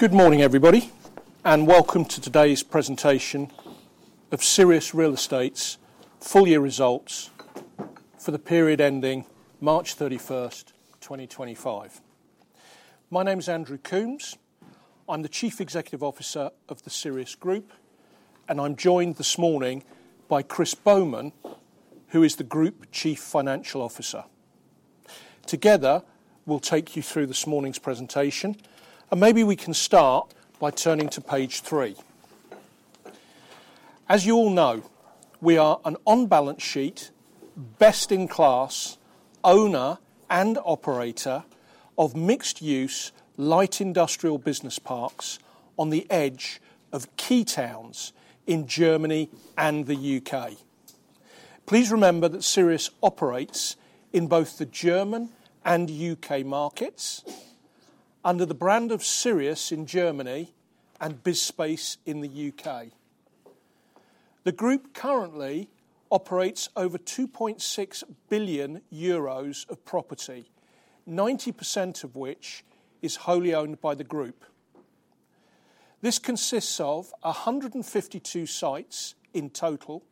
Good morning, everybody, and welcome to today's presentation of Sirius Real Estate's full-year results for the period ending March 31st, 2025. My name is Andrew Coombs. I'm the Chief Executive Officer of the Sirius Group, and I'm joined this morning by Chris Bowman, who is the Group Chief Financial Officer. Together, we'll take you through this morning's presentation, and maybe we can start by turning to page three. As you all know, we are an on-balance sheet, best-in-class owner and operator of mixed-use light industrial business parks on the edge of key towns in Germany and the U.K. Please remember that Sirius operates in both the German and U.K. markets under the brand of Sirius in Germany and BizSpace in the U.K. The group currently operates over 2.6 billion euros of property, 90% of which is wholly owned by the group. This consists of 152 sites in total,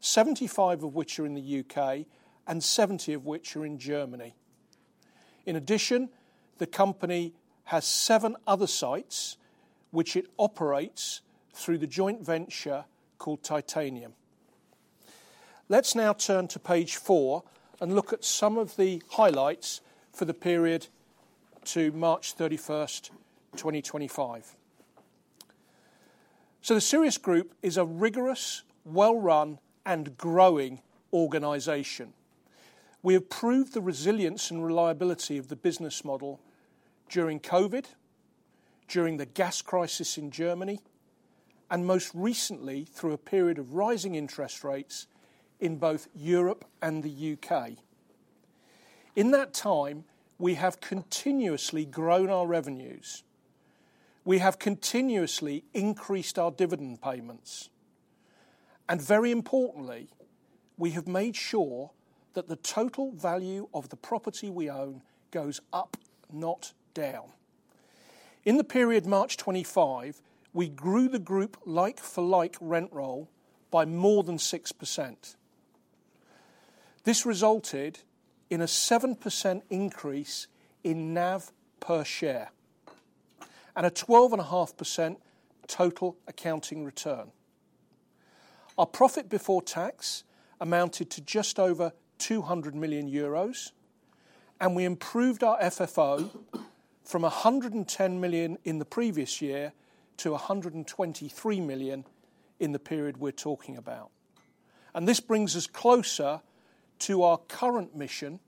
75 of which are in the U.K. and 70 of which are in Germany. In addition, the company has seven other sites which it operates through the joint venture called Titanium. Let's now turn to page four and look at some of the highlights for the period to March 31st, 2025. The Sirius Group is a rigorous, well-run, and growing organization. We have proved the resilience and reliability of the business model during COVID, during the gas crisis in Germany, and most recently through a period of rising interest rates in both Europe and the U.K. In that time, we have continuously grown our revenues. We have continuously increased our dividend payments. Very importantly, we have made sure that the total value of the property we own goes up, not down. In the period March 2025, we grew the group like-for-like rent roll by more than 6%. This resulted in a 7% increase in NAV per share and a 12.5% total accounting return. Our profit before tax amounted to just over 200 million euros, and we improved our FFO from 110 million in the previous year to 123 million in the period we are talking about. This brings us closer to our current mission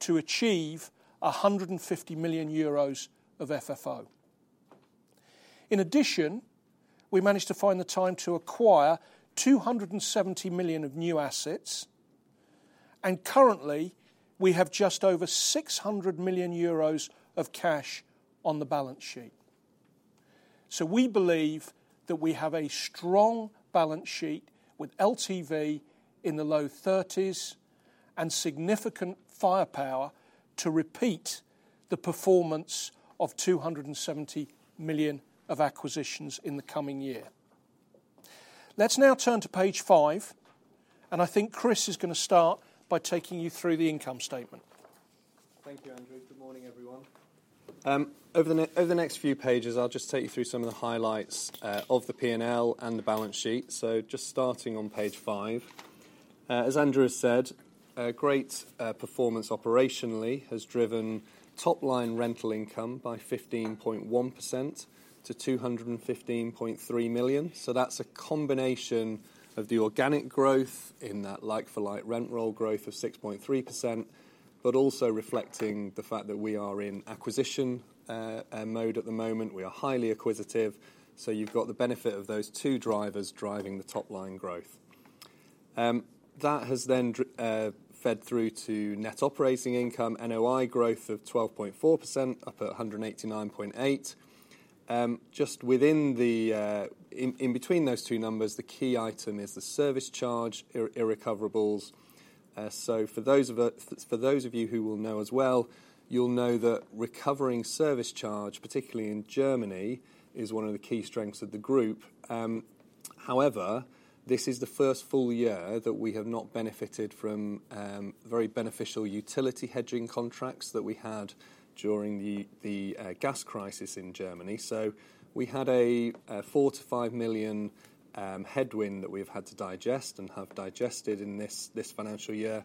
to achieve 150 million euros of FFO. In addition, we managed to find the time to acquire 270 million of new assets, and currently we have just over 600 million euros of cash on the balance sheet. We believe that we have a strong balance sheet with LTV in the low 30s and significant firepower to repeat the performance of 270 million of acquisitions in the coming year. Let's now turn to page five, and I think Chris is going to start by taking you through the income statement. Thank you, Andrew. Good morning, everyone. Over the next few pages, I'll just take you through some of the highlights of the P&L and the balance sheet. Just starting on page five, as Andrew has said, great performance operationally has driven top-line rental income by 15.1% to 215.3 million. That is a combination of the organic growth in that like-for-like rent roll growth of 6.3%, but also reflecting the fact that we are in acquisition mode at the moment. We are highly acquisitive, so you've got the benefit of those two drivers driving the top-line growth. That has then fed through to net operating income, NOI growth of 12.4%, up at 189.8 million. Just within the in between those two numbers, the key item is the service charge, irrecoverables. For those of you who will know as well, you'll know that recovering service charge, particularly in Germany, is one of the key strengths of the group. However, this is the first full year that we have not benefited from very beneficial utility hedging contracts that we had during the gas crisis in Germany. We had a 4 million-5 million headwind that we have had to digest and have digested in this financial year.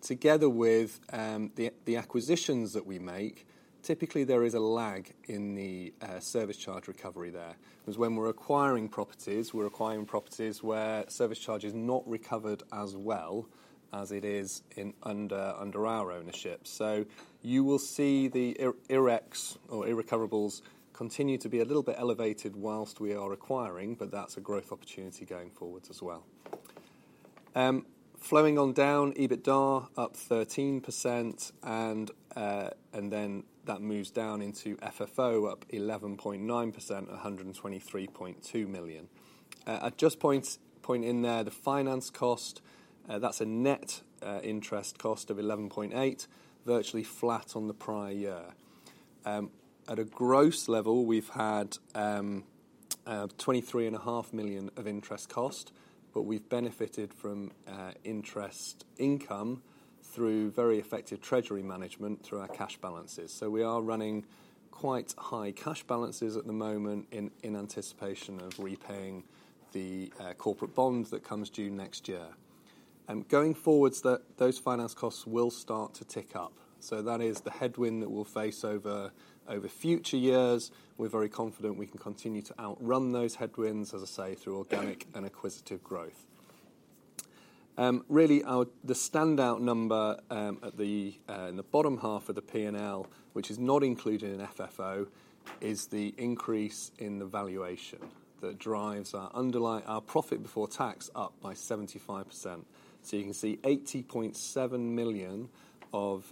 Together with the acquisitions that we make, typically there is a lag in the service charge recovery there. When we're acquiring properties, we're acquiring properties where service charge is not recovered as well as it is under our ownership. You will see the IREX or irrecoverables continue to be a little bit elevated whilst we are acquiring, but that's a growth opportunity going forwards as well. Flowing on down, EBITDA up 13%, and then that moves down into FFO up 11.9%, 123.2 million. I just point in there the finance cost, that's a net interest cost of 11.8 million, virtually flat on the prior year. At a gross level, we've had 23.5 million of interest cost, but we've benefited from interest income through very effective treasury management through our cash balances. We are running quite high cash balances at the moment in anticipation of repaying the corporate bond that comes due next year. Going forwards, those finance costs will start to tick up. That is the headwind that we'll face over future years. We're very confident we can continue to outrun those headwinds, as I say, through organic and acquisitive growth. Really, the standout number in the bottom half of the P&L, which is not included in FFO, is the increase in the valuation that drives our profit before tax up by 75%. You can see 80.7 million of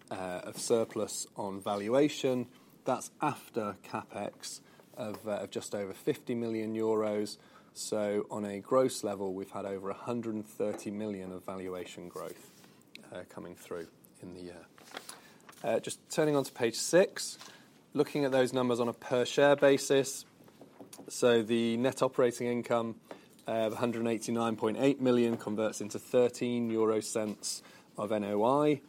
surplus on valuation. That is after CapEx of just over 50 million euros. On a gross level, we have had over 130 million of valuation growth coming through in the year. Just turning on to page six, looking at those numbers on a per-share basis. The net operating income of 189.8 million converts into EUR .13 of NOI.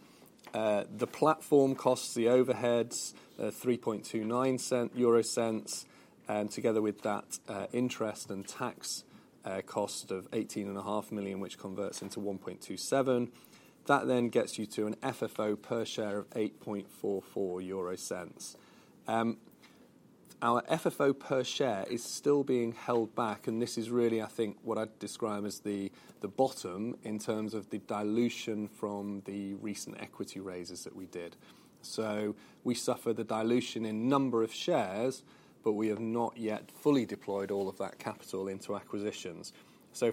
The platform costs, the overheads, 3.29, and together with that interest and tax cost of 18.5 million, which converts into 1.27, that then gets you to an FFO per share of 8.44 euro. Our FFO per share is still being held back, and this is really, I think, what I'd describe as the bottom in terms of the dilution from the recent equity raises that we did. We suffer the dilution in number of shares, but we have not yet fully deployed all of that capital into acquisitions.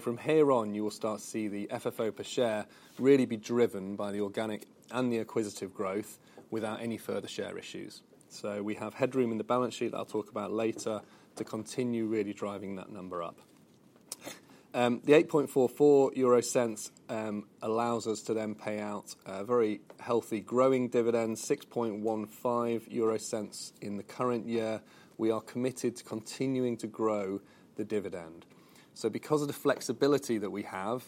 From here on, you will start to see the FFO per share really be driven by the organic and the acquisitive growth without any further share issues. We have headroom in the balance sheet that I'll talk about later to continue really driving that number up. The 8.44 euro allows us to then pay out very healthy growing dividends, 6.15 euro in the current year. We are committed to continuing to grow the dividend. Because of the flexibility that we have,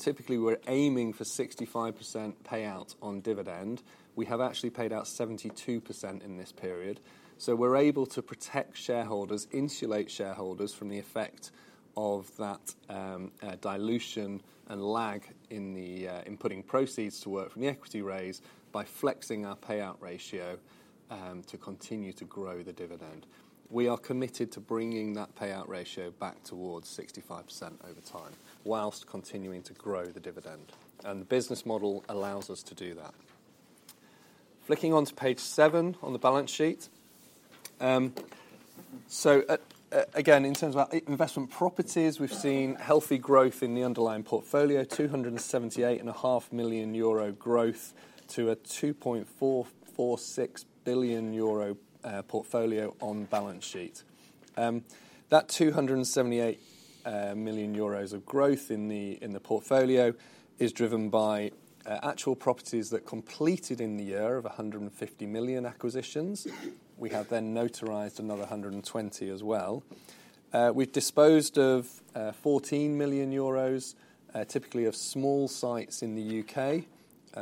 typically we're aiming for 65% payout on dividend. We have actually paid out 72% in this period. We are able to protect shareholders, insulate shareholders from the effect of that dilution and lag in putting proceeds to work from the equity raise by flexing our payout ratio to continue to grow the dividend. We are committed to bringing that payout ratio back towards 65% over time whilst continuing to grow the dividend. The business model allows us to do that. Flicking on to page seven on the balance sheet. Again, in terms of investment properties, we have seen healthy growth in the underlying portfolio, 278.5 million euro growth to a 2.446 billion euro portfolio on balance sheet. That 278 million euros of growth in the portfolio is driven by actual properties that completed in the year of 150 million acquisitions. We have then notarized another 120 million as well. We have disposed of 14 million euros, typically of small sites in the U.K.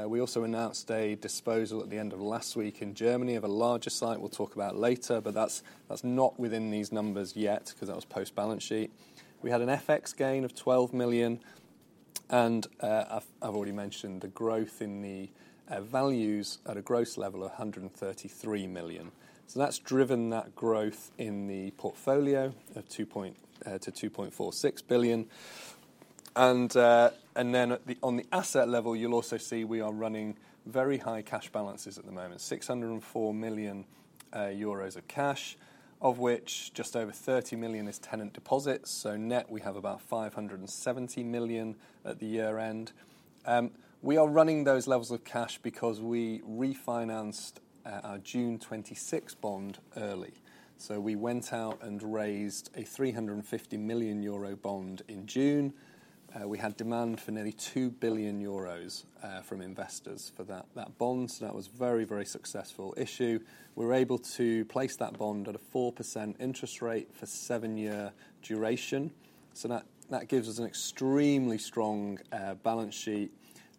We also announced a disposal at the end of last week in Germany of a larger site we'll talk about later, but that's not within these numbers yet because that was post-balance sheet. We had an FX gain of 12 million, and I've already mentioned the growth in the values at a gross level of 133 million. That has driven that growth in the portfolio to 2.46 billion. On the asset level, you'll also see we are running very high cash balances at the moment, 604 million euros of cash, of which just over 30 million is tenant deposits. Net, we have about 570 million at the year end. We are running those levels of cash because we refinanced our June 2026 bond early. We went out and raised a 350 million euro bond in June. We had demand for nearly 2 billion euros from investors for that bond. That was a very, very successful issue. We were able to place that bond at a 4% interest rate for a seven-year duration. That gives us an extremely strong balance sheet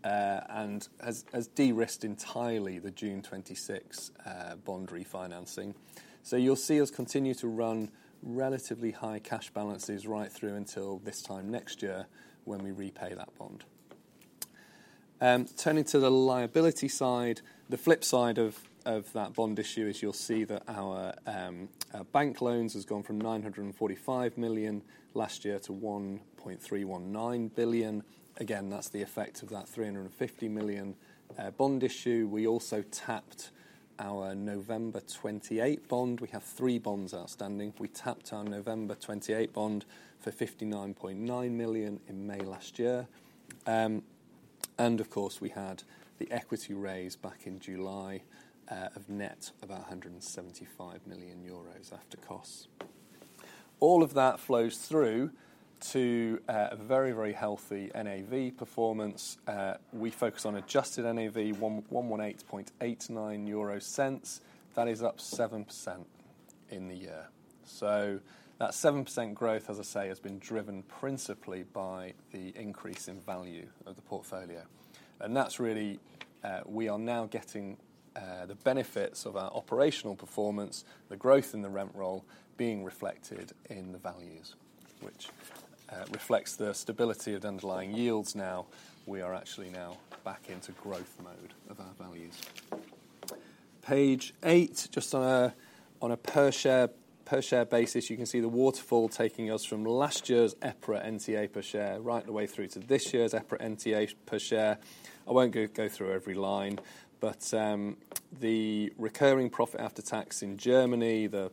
and has de-risked entirely the June 2026 bond refinancing. You'll see us continue to run relatively high cash balances right through until this time next year when we repay that bond. Turning to the liability side, the flip side of that bond issue is you'll see that our bank loans have gone from 945 million last year to 1.319 billion. Again, that's the effect of that 350 million bond issue. We also tapped our November 2028 bond. We have three bonds outstanding. We tapped our November 2028 bond for 59.9 million in May last year. Of course, we had the equity raise back in July of net about 175 million euros after costs. All of that flows through to a very, very healthy NAV performance. We focus on adjusted NAV, 118.89 euro. That is up 7% in the year. That 7% growth, as I say, has been driven principally by the increase in value of the portfolio. That is really we are now getting the benefits of our operational performance, the growth in the rent roll being reflected in the values, which reflects the stability of underlying yields. Now we are actually now back into growth mode of our values. Page eight, just on a per-share basis, you can see the waterfall taking us from last year's EPRA NTA per share right the way through to this year's EPRA NTA per share. I won't go through every line, but the recurring profit after tax in Germany, the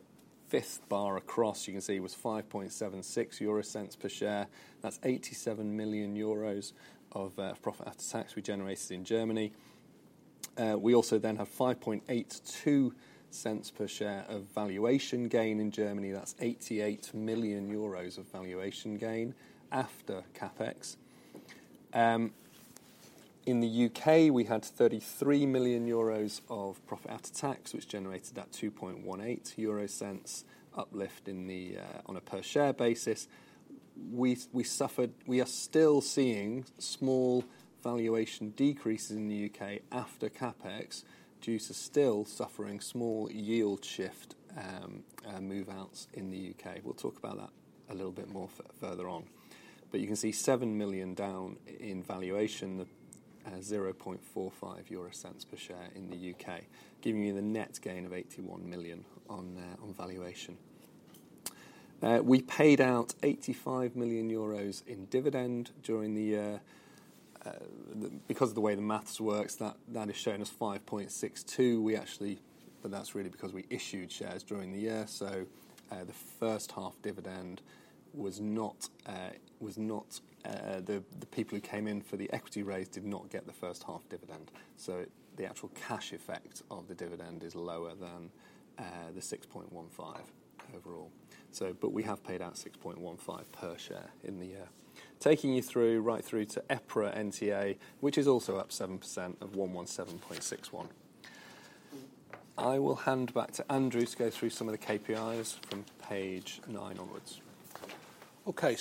fifth bar across, you can see was 5.76 euro per share. That's 87 million euros of profit after tax we generated in Germany. We also then have 5.82 per share of valuation gain in Germany. That's 88 million euros of valuation gain after CapEx. In the U.K., we had 33 million euros of profit after tax, which generated that 2.18 euro uplift on a per-share basis. We are still seeing small valuation decreases in the U.K. after CapEx due to still suffering small yield shift move-outs in the U.K. We'll talk about that a little bit more further on. You can see 7 million down in valuation, 0.45 per share in the U.K., giving you the net gain of 81 million on valuation. We paid out 85 million euros in dividend during the year. Because of the way the maths works, that has shown us 5.62. That's really because we issued shares during the year. The first half dividend was not, the people who came in for the equity raise did not get the first half dividend. The actual cash effect of the dividend is lower than the 6.15 overall. We have paid out 6.15 per share in the year. Taking you through right through to EPRA NTA, which is also up 7% at 117.61. I will hand back to Andrew to go through some of the KPIs from page nine onwards. Okay,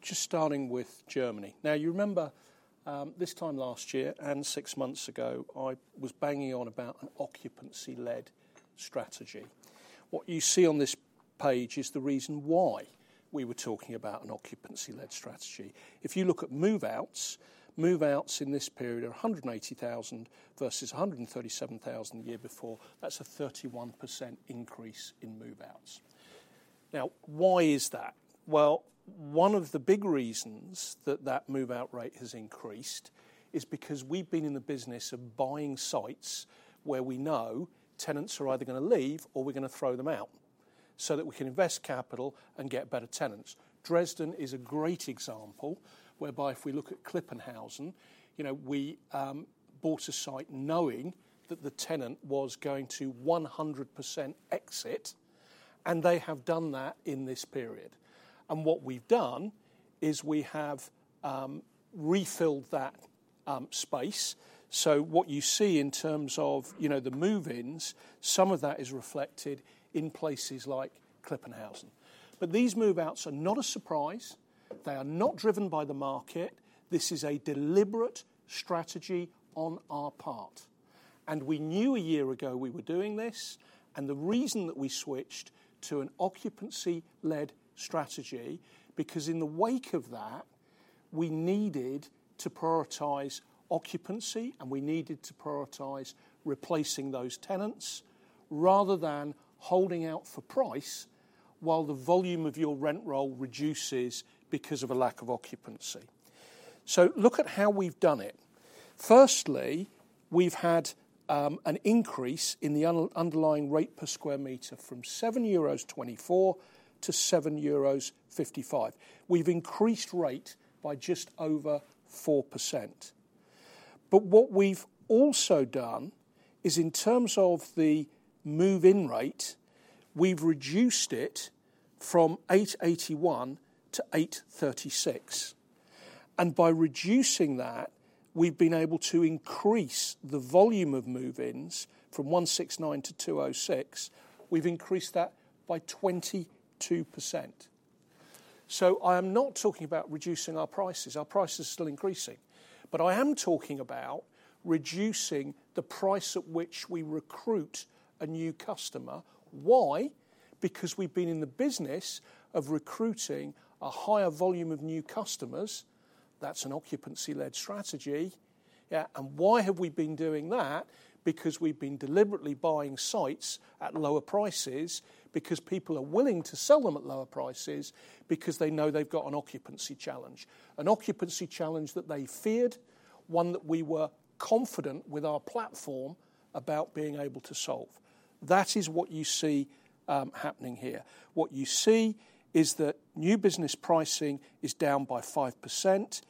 just starting with Germany. You remember this time last year and six months ago, I was banging on about an occupancy-led strategy. What you see on this page is the reason why we were talking about an occupancy-led strategy. If you look at move-outs, move-outs in this period are 180,000 versus 137,000 the year before. That is a 31% increase in move-outs. Now, why is that? One of the big reasons that that move-out rate has increased is because we have been in the business of buying sites where we know tenants are either going to leave or we are going to throw them out so that we can invest capital and get better tenants. Dresden is a great example whereby if we look at Klipphausen, we bought a site knowing that the tenant was going to 100% exit, and they have done that in this period. What we have done is we have refilled that space. What you see in terms of the move-ins, some of that is reflected in places like Klipphausen. These move-outs are not a surprise. They are not driven by the market. This is a deliberate strategy on our part. We knew a year ago we were doing this. The reason that we switched to an occupancy-led strategy is because in the wake of that, we needed to prioritize occupancy and we needed to prioritize replacing those tenants rather than holding out for price while the volume of your rent roll reduces because of a lack of occupancy. Look at how we've done it. Firstly, we've had an increase in the underlying rate per square meter from 7.24-7.55 euros. We've increased rate by just over 4%. What we've also done is in terms of the move-in rate, we've reduced it from 8.81-8.36. By reducing that, we've been able to increase the volume of move-ins from 169-206. We've increased that by 22%. I am not talking about reducing our prices. Our prices are still increasing. I am talking about reducing the price at which we recruit a new customer. Why? Because we've been in the business of recruiting a higher volume of new customers. That is an occupancy-led strategy. Why have we been doing that? Because we've been deliberately buying sites at lower prices because people are willing to sell them at lower prices because they know they've got an occupancy challenge. An occupancy challenge that they feared, one that we were confident with our platform about being able to solve. That is what you see happening here. What you see is that new business pricing is down by 5%.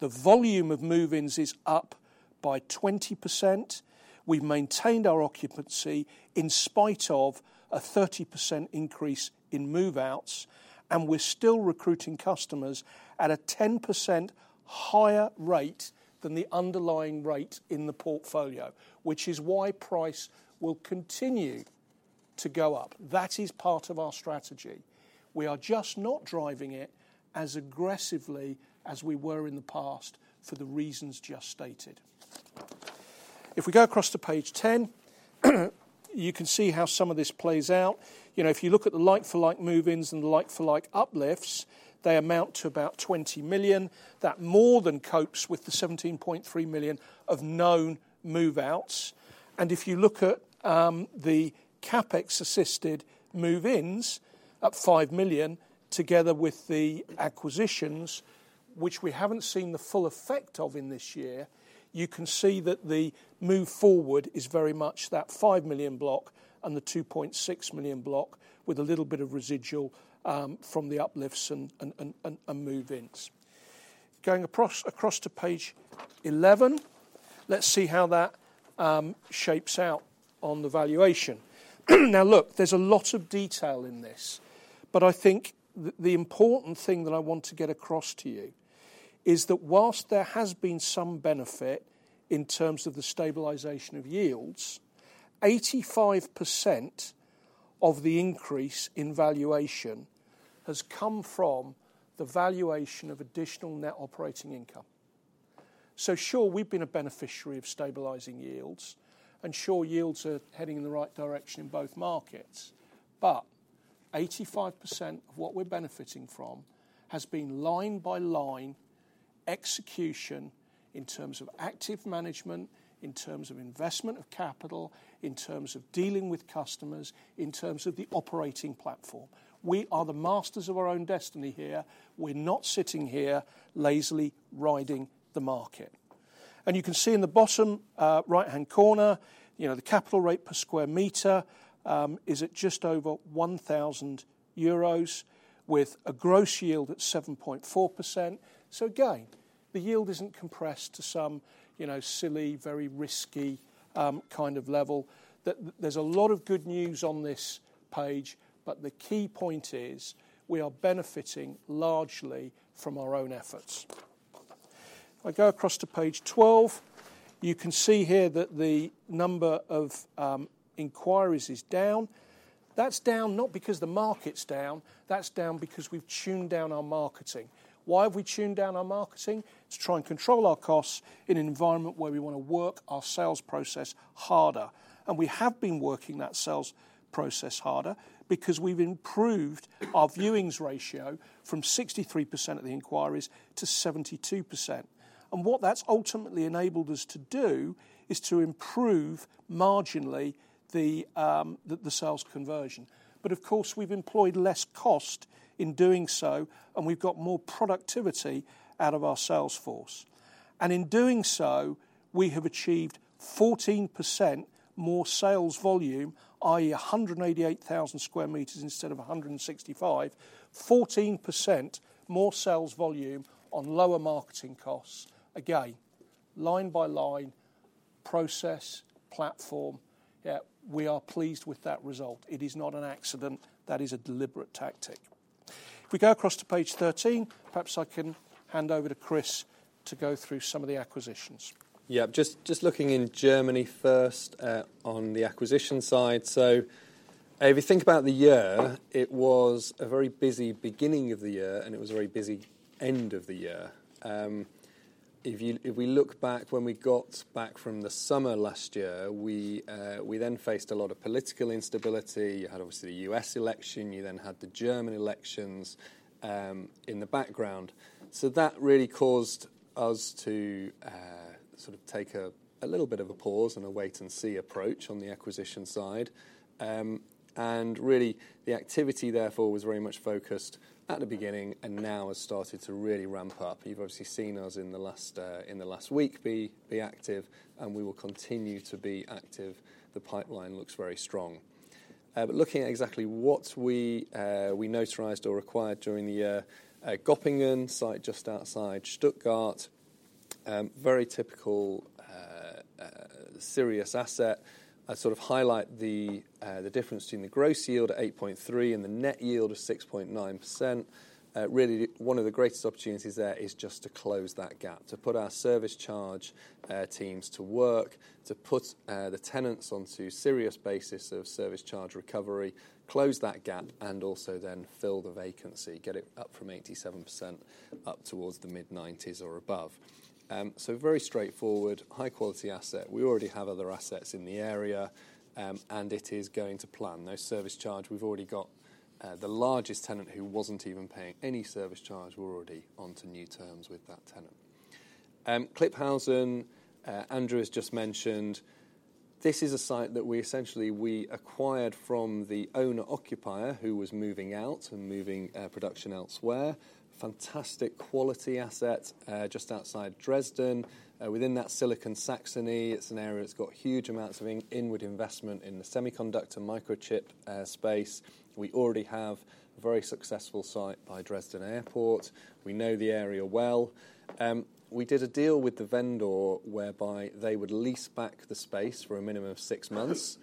The volume of move-ins is up by 20%. We've maintained our occupancy in spite of a 30% increase in move-outs, and we're still recruiting customers at a 10% higher rate than the underlying rate in the portfolio, which is why price will continue to go up. That is part of our strategy. We are just not driving it as aggressively as we were in the past for the reasons just stated. If we go across to page 10, you can see how some of this plays out. If you look at the like-for-like move-ins and the like-for-like uplifts, they amount to about 20 million. That more than copes with the 17.3 million of known move-outs. If you look at the CapEx-assisted move-ins at 5 million together with the acquisitions, which we have not seen the full effect of in this year, you can see that the move forward is very much that 5 million block and the 2.6 million block with a little bit of residual from the uplifts and move-ins. Going across to page 11, let's see how that shapes out on the valuation. Now, look, there's a lot of detail in this, but I think the important thing that I want to get across to you is that whilst there has been some benefit in terms of the stabilization of yields, 85% of the increase in valuation has come from the valuation of additional net operating income. Sure, we've been a beneficiary of stabilizing yields, and sure, yields are heading in the right direction in both markets, but 85% of what we're benefiting from has been line by line execution in terms of active management, in terms of investment of capital, in terms of dealing with customers, in terms of the operating platform. We are the masters of our own destiny here. We're not sitting here lazily riding the market. You can see in the bottom right-hand corner, the capital rate per square meter is at just over 1,000 euros with a gross yield at 7.4%. The yield is not compressed to some silly, very risky kind of level. There is a lot of good news on this page, but the key point is we are benefiting largely from our own efforts. If I go across to page twelve, you can see here that the number of inquiries is down. That is down not because the market is down. That is down because we have tuned down our marketing. Why have we tuned down our marketing? To try and control our costs in an environment where we want to work our sales process harder. We have been working that sales process harder because we have improved our viewings ratio from 63% of the inquiries to 72%. What that has ultimately enabled us to do is to improve marginally the sales conversion. Of course, we have employed less cost in doing so, and we have got more productivity out of our sales force. In doing so, we have achieved 14% more sales volume, i.e., 188,000 sq m instead of 165,000 sq m, 14% more sales volume on lower marketing costs. Again, line by line process, platform, we are pleased with that result. It is not an accident. That is a deliberate tactic. If we go across to page thirteen, perhaps I can hand over to Chris to go through some of the acquisitions. Yeah, just looking in Germany first on the acquisition side. If you think about the year, it was a very busy beginning of the year, and it was a very busy end of the year. If we look back when we got back from the summer last year, we then faced a lot of political instability. You had, obviously, the U.S. election. You then had the German elections in the background. That really caused us to sort of take a little bit of a pause and a wait-and-see approach on the acquisition side. Really, the activity, therefore, was very much focused at the beginning and now has started to really ramp up. You have obviously seen us in the last week be active, and we will continue to be active. The pipeline looks very strong. Looking at exactly what we notarized or acquired during the year, Göppingen, site just outside Stuttgart, very typical Sirius asset, I sort of highlight the difference between the gross yield at 8.3% and the net yield of 6.9%. Really, one of the greatest opportunities there is just to close that gap, to put our service charge teams to work, to put the tenants onto Sirius basis of service charge recovery, close that gap, and also then fill the vacancy, get it up from 87% up towards the mid-nineties or above. Very straightforward, high-quality asset. We already have other assets in the area, and it is going to plan. No service charge. We have already got the largest tenant who was not even paying any service charge. We are already onto new terms with that tenant. Klipphausen, Andrew has just mentioned, this is a site that we essentially acquired from the owner-occupier who was moving out and moving production elsewhere. Fantastic quality asset just outside Dresden. Within that Silicon Saxony, it is an area that has got huge amounts of inward investment in the semiconductor microchip space. We already have a very successful site by Dresden Airport. We know the area well. We did a deal with the vendor whereby they would lease back the space for a minimum of six months.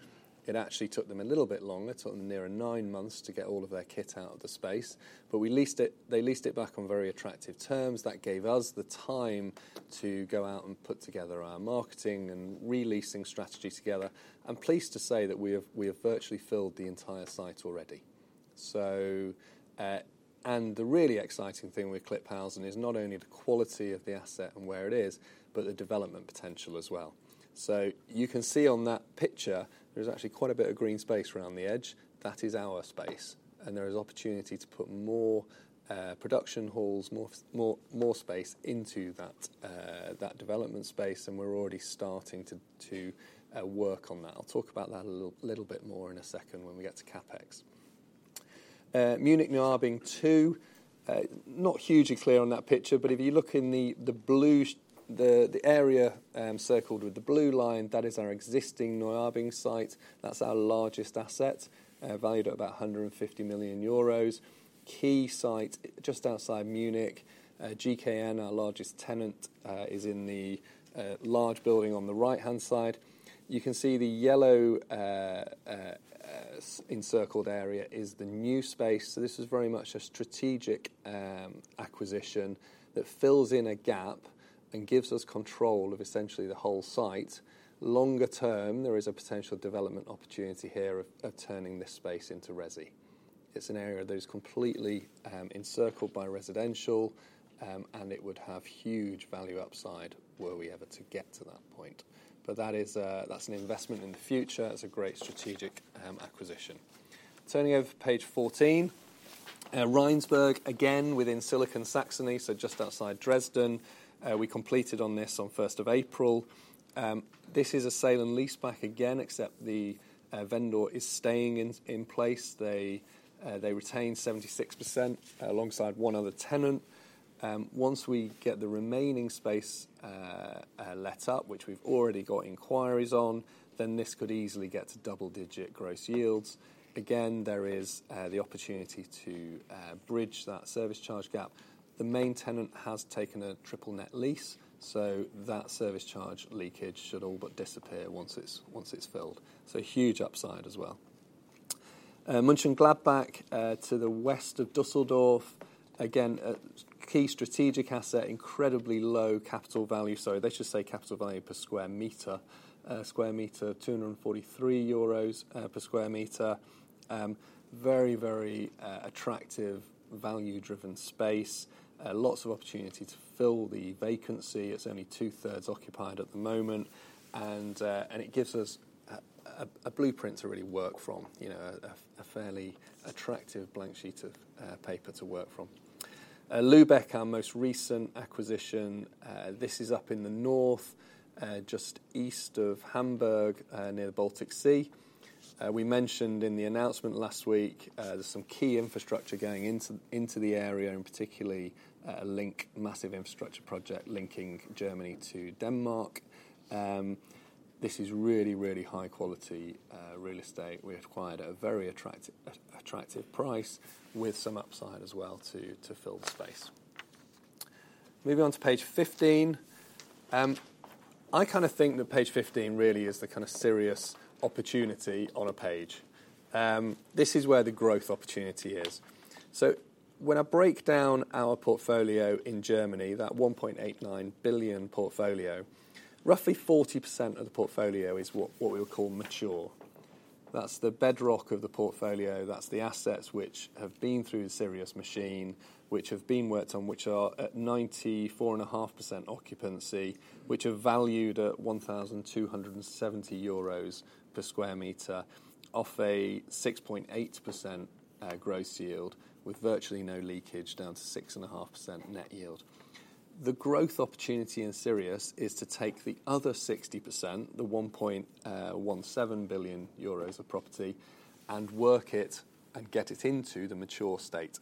It actually took them a little bit longer, took them nearer nine months to get all of their kit out of the space. They leased it back on very attractive terms. That gave us the time to go out and put together our marketing and releasing strategy together. I am pleased to say that we have virtually filled the entire site already. The really exciting thing with Klipphausen is not only the quality of the asset and where it is, but the development potential as well. You can see on that picture, there is actually quite a bit of green space around the edge. That is our space. There is opportunity to put more production halls, more space into that development space. We are already starting to work on that. I will talk about that a little bit more in a second when we get to CapEx. Munich-Neuaubing II, not hugely clear on that picture, but if you look in the area circled with the blue line, that is our existing Neuaubing site. That is our largest asset, valued at about 150 million euros. Key site just outside Munich. GKN, our largest tenant, is in the large building on the right-hand side. You can see the yellow encircled area is the new space. This is very much a strategic acquisition that fills in a gap and gives us control of essentially the whole site. Longer term, there is a potential development opportunity here of turning this space into resi. It's an area that is completely encircled by residential, and it would have huge value upside were we ever to get to that point. That is an investment in the future. It's a great strategic acquisition. Turning over to page fourteen, Reinsberg, again within Silicon Saxony, so just outside Dresden. We completed on this on first of April. This is a sale and lease back again, except the vendor is staying in place. They retain 76% alongside one other tenant. Once we get the remaining space let up, which we've already got inquiries on, then this could easily get to double-digit gross yields. There is the opportunity to bridge that service charge gap. The main tenant has taken a triple-net lease, so that service charge leakage should all but disappear once it's filled. Huge upside as well. Mönchengladbach to the west of Düsseldorf. Again, key strategic asset, incredibly low capital value. Sorry, that should say capital value per square meter. Square meter, EUR 243 per square meter. Very, very attractive, value-driven space. Lots of opportunity to fill the vacancy. It's only 2/3 occupied at the moment. It gives us a blueprint to really work from, a fairly attractive blank sheet of paper to work from. Lübeck, our most recent acquisition. This is up in the north, just east of Hamburg, near the Baltic Sea. We mentioned in the announcement last week there's some key infrastructure going into the area, and particularly a massive infrastructure project linking Germany to Denmark. This is really, really high-quality real estate. We acquired at a very attractive price with some upside as well to fill the space. Moving on to page fifteen. I kind of think that page fifteen really is the kind of Sirius opportunity on a page. This is where the growth opportunity is. When I break down our portfolio in Germany, that 1.89 billion portfolio, roughly 40% of the portfolio is what we would call mature. That is the bedrock of the portfolio. That is the assets which have been through the Sirius machine, which have been worked on, which are at 94.5% occupancy, which are valued at 1,270 euros per sq m, off a 6.8% gross yield with virtually no leakage, down to 6.5% net yield. The growth opportunity in Sirius is to take the other 60%, the 1.17 billion euros of property, and work it and get it into the mature state.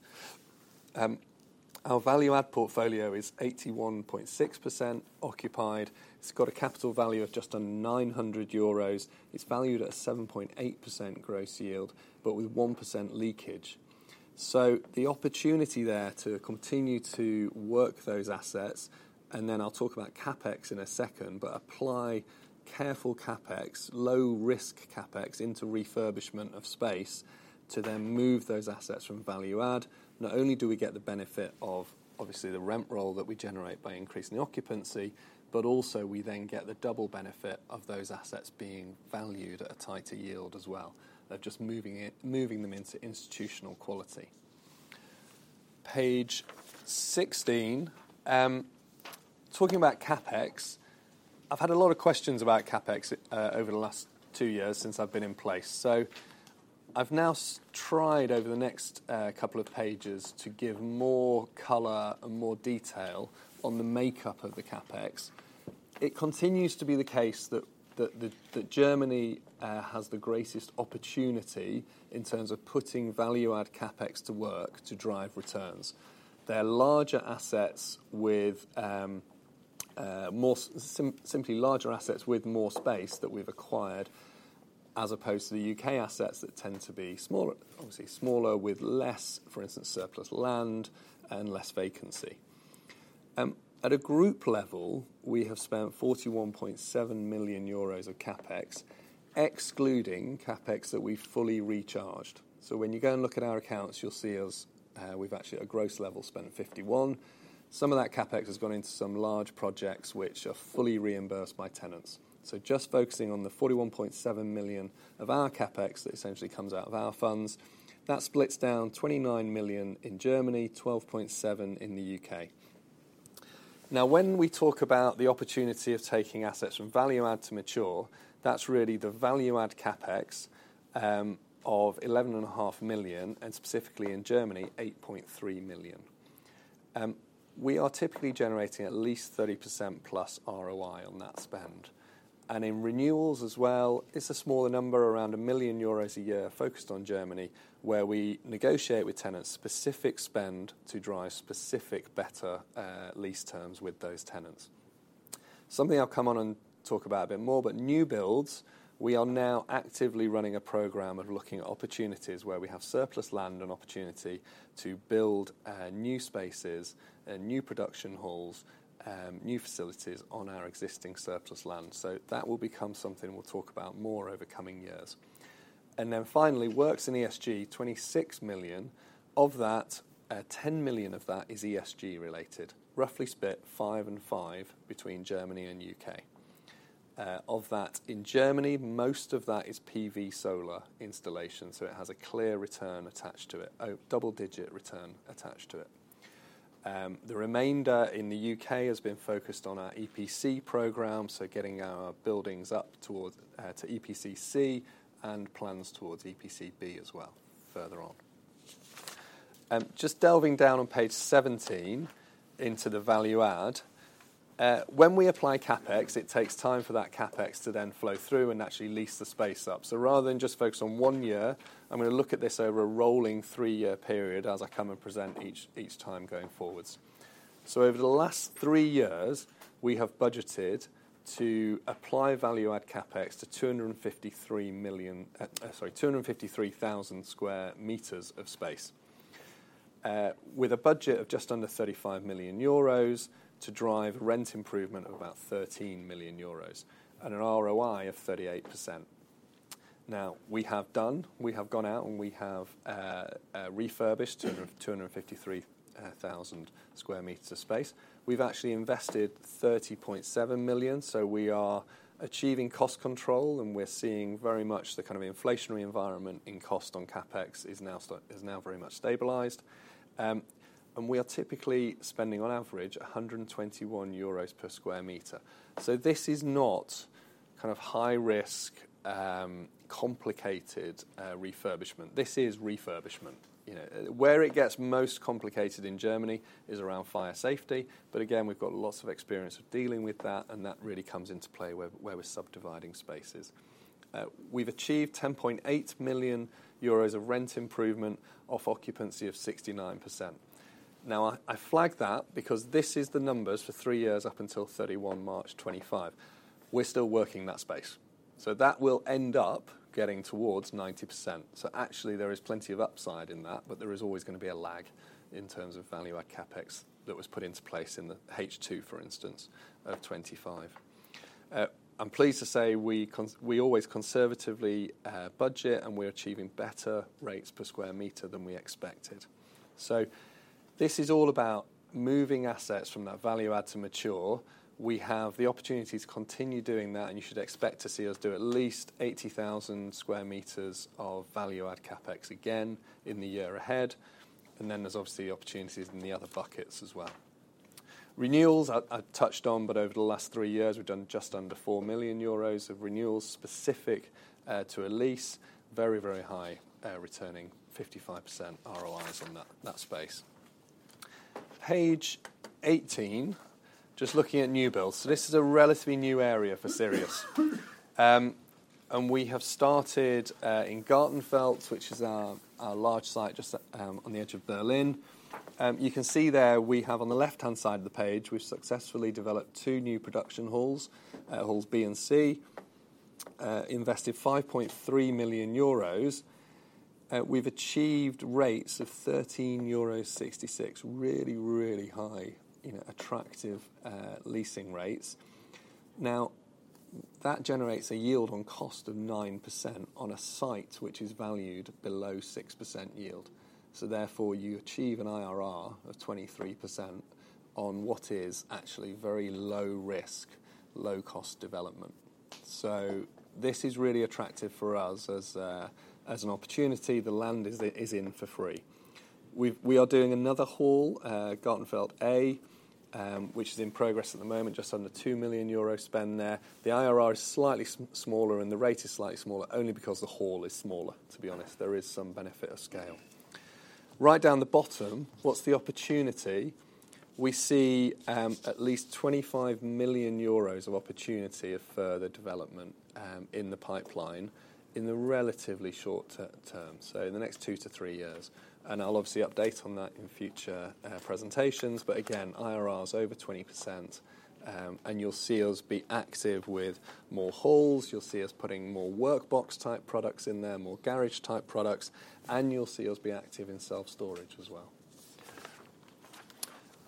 Our value-add portfolio is 81.6% occupied. It has got a capital value of just under 900 euros. It is valued at a 7.8% gross yield, but with 1% leakage. The opportunity there to continue to work those assets, and then I'll talk about CapEx in a second, but apply careful CapEx, low-risk CapEx into refurbishment of space to then move those assets from value-add. Not only do we get the benefit of, obviously, the rent roll that we generate by increasing the occupancy, but also we then get the double benefit of those assets being valued at a tighter yield as well, of just moving them into institutional quality. Page sixteen, talking about CapEx. I've had a lot of questions about CapEx over the last two years since I've been in place. I've now tried over the next couple of pages to give more color and more detail on the makeup of the CapEx. It continues to be the case that Germany has the greatest opportunity in terms of putting value-add CapEx to work to drive returns. They're larger assets with simply larger assets with more space that we've acquired, as opposed to the U.K. assets that tend to be smaller, obviously smaller with less, for instance, surplus land and less vacancy. At a group level, we have spent 41.7 million euros of CapEx, excluding CapEx that we've fully recharged. When you go and look at our accounts, you'll see we've actually at gross level spent 51 million. Some of that CapEx has gone into some large projects which are fully reimbursed by tenants. Just focusing on the 41.7 million of our CapEx that essentially comes out of our funds, that splits down 29 million in Germany, 12.7 million in the U.K. Now, when we talk about the opportunity of taking assets from value-add to mature, that's really the value-add CapEx of 11.5 million, and specifically in Germany, 8.3 million. We are typically generating at least 30%+ ROI on that spend. In renewals as well, it is a smaller number, around 1 million euros a year focused on Germany, where we negotiate with tenants specific spend to drive specific, better lease terms with those tenants. Something I will come on and talk about a bit more, but new builds, we are now actively running a program of looking at opportunities where we have surplus land and opportunity to build new spaces, new production halls, new facilities on our existing surplus land. That will become something we will talk about more over coming years. Finally, works in ESG, 26 million. Of that, 10 million of that is ESG related, roughly split five and five between Germany and U.K. Of that in Germany, most of that is PV solar installation, so it has a clear return attached to it, a double-digit return attached to it. The remainder in the U.K. has been focused on our EPC program, so getting our buildings up to EPC C and plans towards EPC B as well further on. Just delving down on page seventeen into the value-add, when we apply CapEx, it takes time for that CapEx to then flow through and actually lease the space up. Rather than just focus on one year, I'm going to look at this over a rolling three-year period as I come and present each time going forwards. Over the last three years, we have budgeted to apply value-add CapEx to 253,000 sq m of space, with a budget of just under 35 million euros to drive rent improvement of about 13 million euros and an ROI of 38%. We have gone out and we have refurbished 253,000 sq m of space. We have actually invested 30.7 million, so we are achieving cost control and we are seeing very much the kind of inflationary environment in cost on CapEx is now very much stabilized. We are typically spending on average 121 euros per sq m. This is not kind of high-risk, complicated refurbishment. This is refurbishment. Where it gets most complicated in Germany is around fire safety, but again, we have lots of experience of dealing with that, and that really comes into play where we are subdividing spaces. We've achieved 10.8 million euros of rent improvement off occupancy of 69%. I flag that because this is the numbers for three years up until 31 March 2025. We're still working that space. That will end up getting towards 90%. Actually, there is plenty of upside in that, but there is always going to be a lag in terms of value-add CapEx that was put into place in the H2, for instance, of 25 million. I'm pleased to say we always conservatively budget and we're achieving better rates per square meter than we expected. This is all about moving assets from that value-add to mature. We have the opportunity to continue doing that, and you should expect to see us do at least 80,000 sq m of value-add CapEx again in the year ahead. There are obviously opportunities in the other buckets as well. Renewals, I touched on, but over the last three years, we've done just under 4 million euros of renewals specific to a lease, very, very high returning, 55% ROIs on that space. Page eighteen, just looking at new builds. This is a relatively new area for Sirius. We have started in Gartenfeld, which is our large site just on the edge of Berlin. You can see there we have on the left-hand side of the page, we've successfully developed two new production halls, Halls B and C, invested 5.3 million euros. We've achieved rates of 13.66 euros, really, really high, attractive leasing rates. That generates a yield on cost of 9% on a site which is valued below 6% yield. Therefore, you achieve an IRR of 23% on what is actually very low-risk, low-cost development. This is really attractive for us as an opportunity. The land is in for free. We are doing another hall, Gartenfeld A, which is in progress at the moment, just under 2 million euro spend there. The IRR is slightly smaller and the rate is slightly smaller only because the hall is smaller, to be honest. There is some benefit of scale. Right down the bottom, what's the opportunity? We see at least 25 million euros of opportunity of further development in the pipeline in the relatively short term, in the next two to three years. I'll obviously update on that in future presentations, but again, IRRs over 20%, and you'll see us be active with more halls. You'll see us putting more workbox-type products in there, more garage-type products, and you'll see us be active in self-storage as well.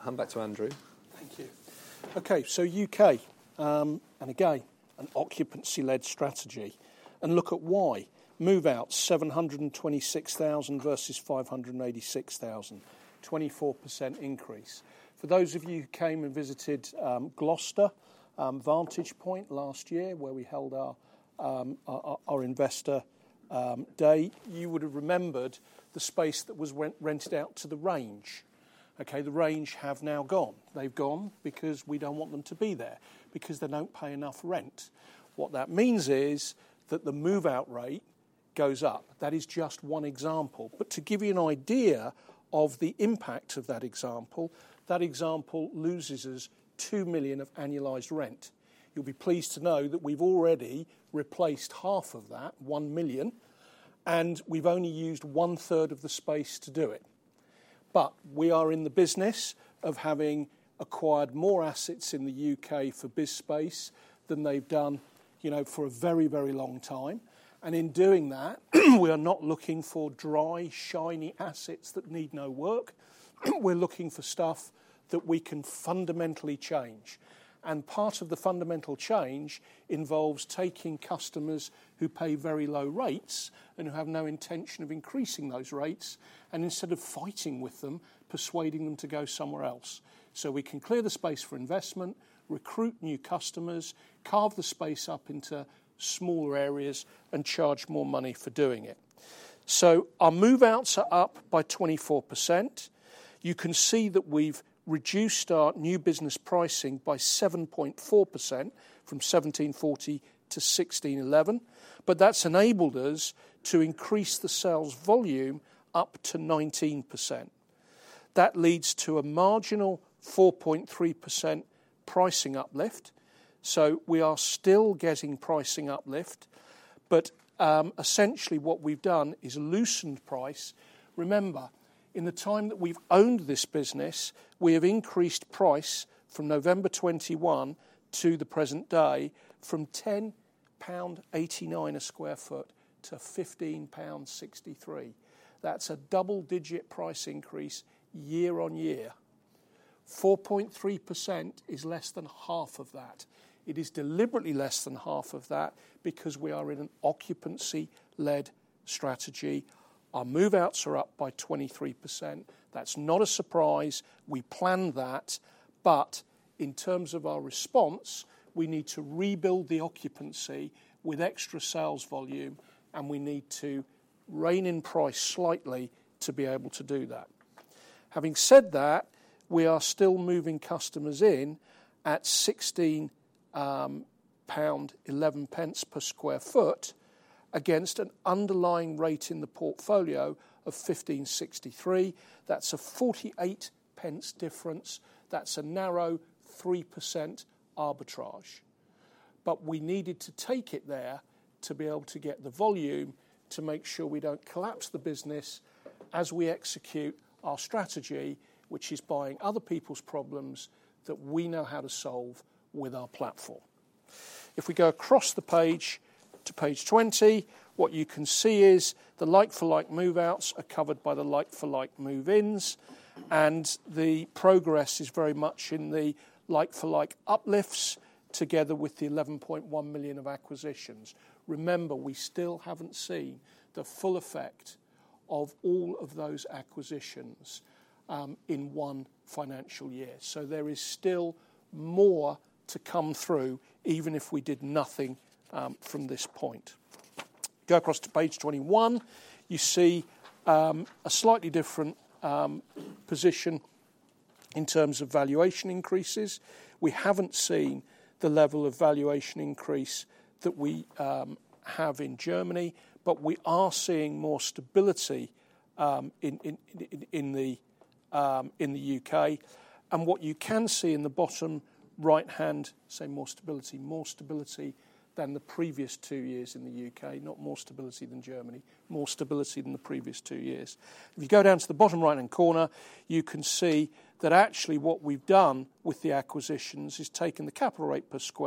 Hand back to Andrew. Thank you. Okay, U.K., and again, an occupancy-led strategy. Look at why. Move out 726,000 versus 586,000, 24% increase. For those of you who came and visited Gloucester, Vantage Point last year, where we held our investor day, you would have remembered the space that was rented out to the Range. Okay, the Range have now gone. They've gone because we do not want them to be there, because they do not pay enough rent. What that means is that the move-out rate goes up. That is just one example. To give you an idea of the impact of that example, that example loses us 2 million of annualized rent. You'll be pleased to know that we've already replaced half of that, 1 million, and we've only used one-third of the space to do it. We are in the business of having acquired more assets in the U.K. for BizSpace than they've done for a very, very long time. In doing that, we are not looking for dry, shiny assets that need no work. We are looking for stuff that we can fundamentally change. Part of the fundamental change involves taking customers who pay very low rates and who have no intention of increasing those rates, and instead of fighting with them, persuading them to go somewhere else. We can clear the space for investment, recruit new customers, carve the space up into smaller areas, and charge more money for doing it. Our move-outs are up by 24%. You can see that we have reduced our new business pricing by 7.4% from 17.40-16.11, but that has enabled us to increase the sales volume up to 19%. That leads to a marginal 4.3% pricing uplift. We are still getting pricing uplift, but essentially what we have done is loosened price. Remember, in the time that we've owned this business, we have increased price from November 2021 to the present day from 10.89 pound a sq ft to 15.63 pound. That's a double-digit price increase year on year. 4.3% is less than half of that. It is deliberately less than half of that because we are in an occupancy-led strategy. Our move-outs are up by 23%. That's not a surprise. We planned that, but in terms of our response, we need to rebuild the occupancy with extra sales volume, and we need to rein in price slightly to be able to do that. Having said that, we are still moving customers in at 16.11 pound per sq ft against an underlying rate in the portfolio of 15.63. That's a 0.48 difference. That's a narrow 3% arbitrage. We needed to take it there to be able to get the volume to make sure we don't collapse the business as we execute our strategy, which is buying other people's problems that we know how to solve with our platform. If we go across the page to page 20, what you can see is the like-for-like move-outs are covered by the like-for-like move-ins, and the progress is very much in the like-for-like uplifts together with the 11.1 million of acquisitions. Remember, we still haven't seen the full effect of all of those acquisitions in one financial year. There is still more to come through, even if we did nothing from this point. Go across to page 21. You see a slightly different position in terms of valuation increases. We have not seen the level of valuation increase that we have in Germany, but we are seeing more stability in the U.K. What you can see in the bottom right-hand, I say more stability, more stability than the previous two years in the U.K., not more stability than Germany, more stability than the previous two years. If you go down to the bottom right-hand corner, you can see that actually what we have done with the acquisitions is taken the capital rate per sq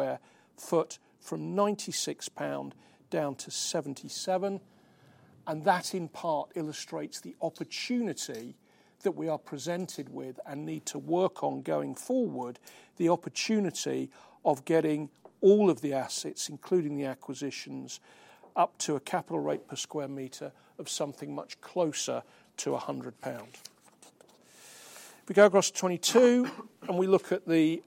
ft from 96 pound down to 77. That in part illustrates the opportunity that we are presented with and need to work on going forward, the opportunity of getting all of the assets, including the acquisitions, up to a capital rate per sq m of something much closer to 100 pound. If we go across to twenty-two and we look at the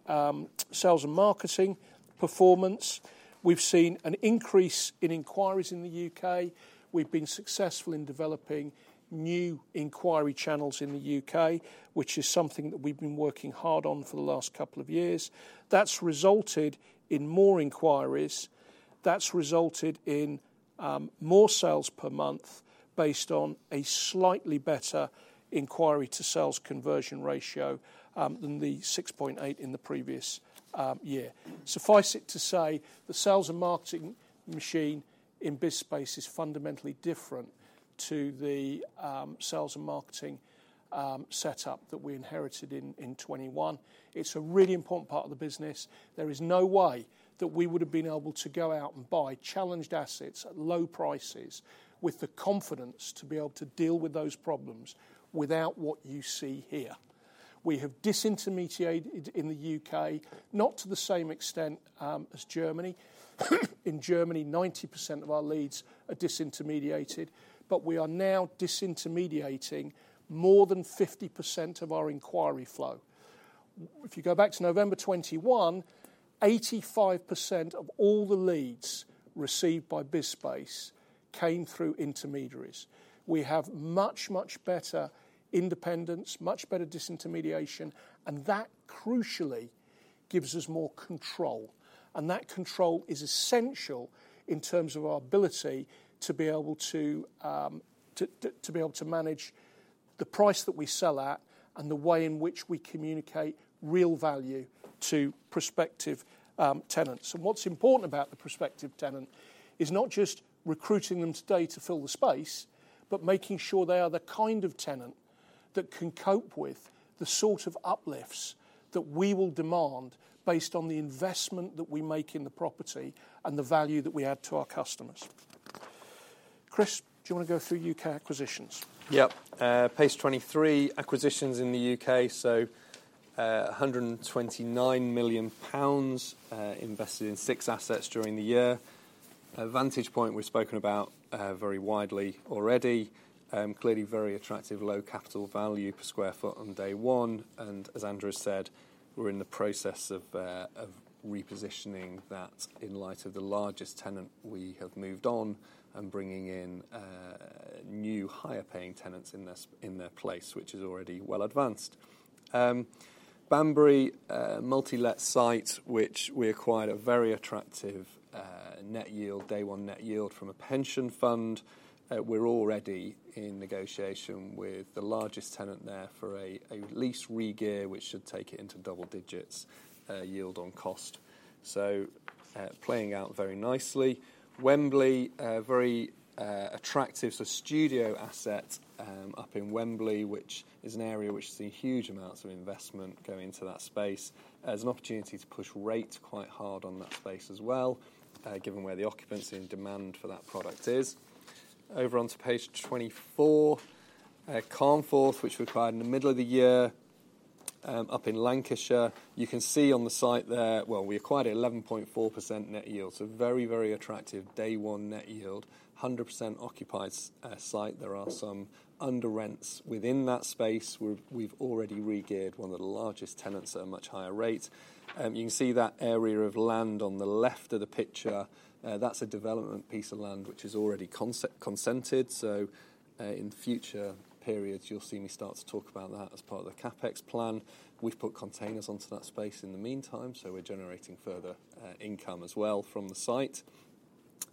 sales and marketing performance, we've seen an increase in inquiries in the U.K. We've been successful in developing new inquiry channels in the U.K., which is something that we've been working hard on for the last couple of years. That's resulted in more inquiries. That's resulted in more sales per month based on a slightly better inquiry-to-sales conversion ratio than the 6.8 in the previous year. Suffice it to say, the sales and marketing machine in BizSpace is fundamentally different to the sales and marketing setup that we inherited in 2021. It's a really important part of the business. There is no way that we would have been able to go out and buy challenged assets at low prices with the confidence to be able to deal with those problems without what you see here. We have disintermediated in the U.K., not to the same extent as Germany. In Germany, 90% of our leads are disintermediated, but we are now disintermediating more than 50% of our inquiry flow. If you go back to November 2021, 85% of all the leads received by BizSpace came through intermediaries. We have much, much better independence, much better disintermediation, and that crucially gives us more control. That control is essential in terms of our ability to be able to manage the price that we sell at and the way in which we communicate real value to prospective tenants. What's important about the prospective tenant is not just recruiting them today to fill the space, but making sure they are the kind of tenant that can cope with the sort of uplifts that we will demand based on the investment that we make in the property and the value that we add to our customers. Chris, do you want to go through U.K. acquisitions? Yep. Page twenty-three, acquisitions in the U.K., so 129 million pounds invested in six assets during the year. Vantage Point, we've spoken about very widely already. Clearly, very attractive low capital value per sq ft on day one. As Andrew has said, we're in the process of repositioning that in light of the largest tenant we have moved on and bringing in new, higher-paying tenants in their place, which is already well advanced. Banbury, multi-let site, which we acquired at a very attractive net yield, day-one net yield from a pension fund. We're already in negotiation with the largest tenant there for a lease re-gear, which should take it into double digits yield on cost. Playing out very nicely. Wembley, very attractive studio asset up in Wembley, which is an area which has seen huge amounts of investment go into that space. There's an opportunity to push rate quite hard on that space as well, given where the occupancy and demand for that product is. Over on to page 24, Carnforth, which we acquired in the middle of the year up in Lancashire. You can see on the site there, we acquired an 11.4% net yield. So very, very attractive day-one net yield, 100% occupied site. There are some under-rent within that space. We've already re-geared one of the largest tenants at a much higher rate. You can see that area of land on the left of the picture. That's a development piece of land which is already consented. In future periods, you'll see me start to talk about that as part of the CapEx plan. We've put containers onto that space in the meantime, so we're generating further income as well from the site.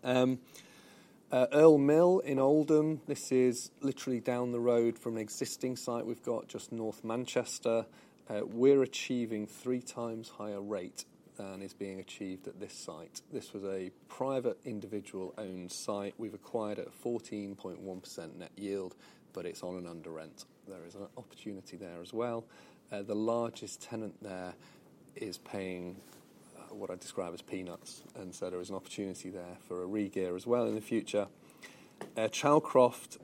Earl Mill in Oldham. This is literally down the road from an existing site. We've got just north Manchester. We're achieving three times higher rate than is being achieved at this site. This was a private individual-owned site. We've acquired it at 14.1% net yield, but it's on an under-rent. There is an opportunity there as well. The largest tenant there is paying what I describe as peanuts. There is an opportunity there for a re-gear as well in the future. Chalcroft,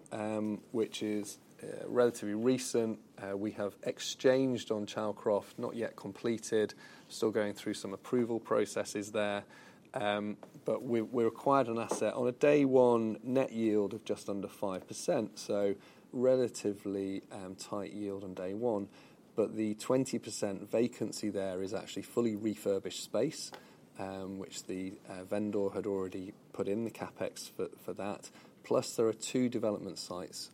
which is relatively recent. We have exchanged on Chalcroft, not yet completed. Still going through some approval processes there. We've acquired an asset on a day-one net yield of just under 5%, so relatively tight yield on day one. The 20% vacancy there is actually fully refurbished space, which the vendor had already put in the CapEx for that. Plus, there are two development sites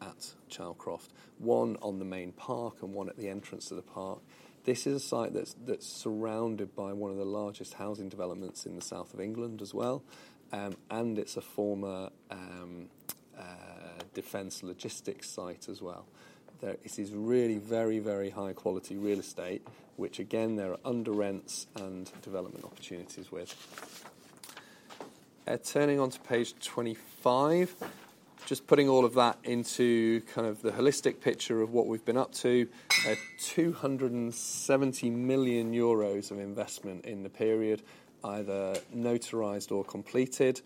at Chalcroft, one on the main park and one at the entrance to the park. This is a site that's surrounded by one of the largest housing developments in the south of England as well. And it's a former defense logistics site as well. This is really very, very high-quality real estate, which again, there are under-rent and development opportunities with. Turning on to page 25, just putting all of that into kind of the holistic picture of what we've been up to, 270 million euros of investment in the period, either notarized or completed.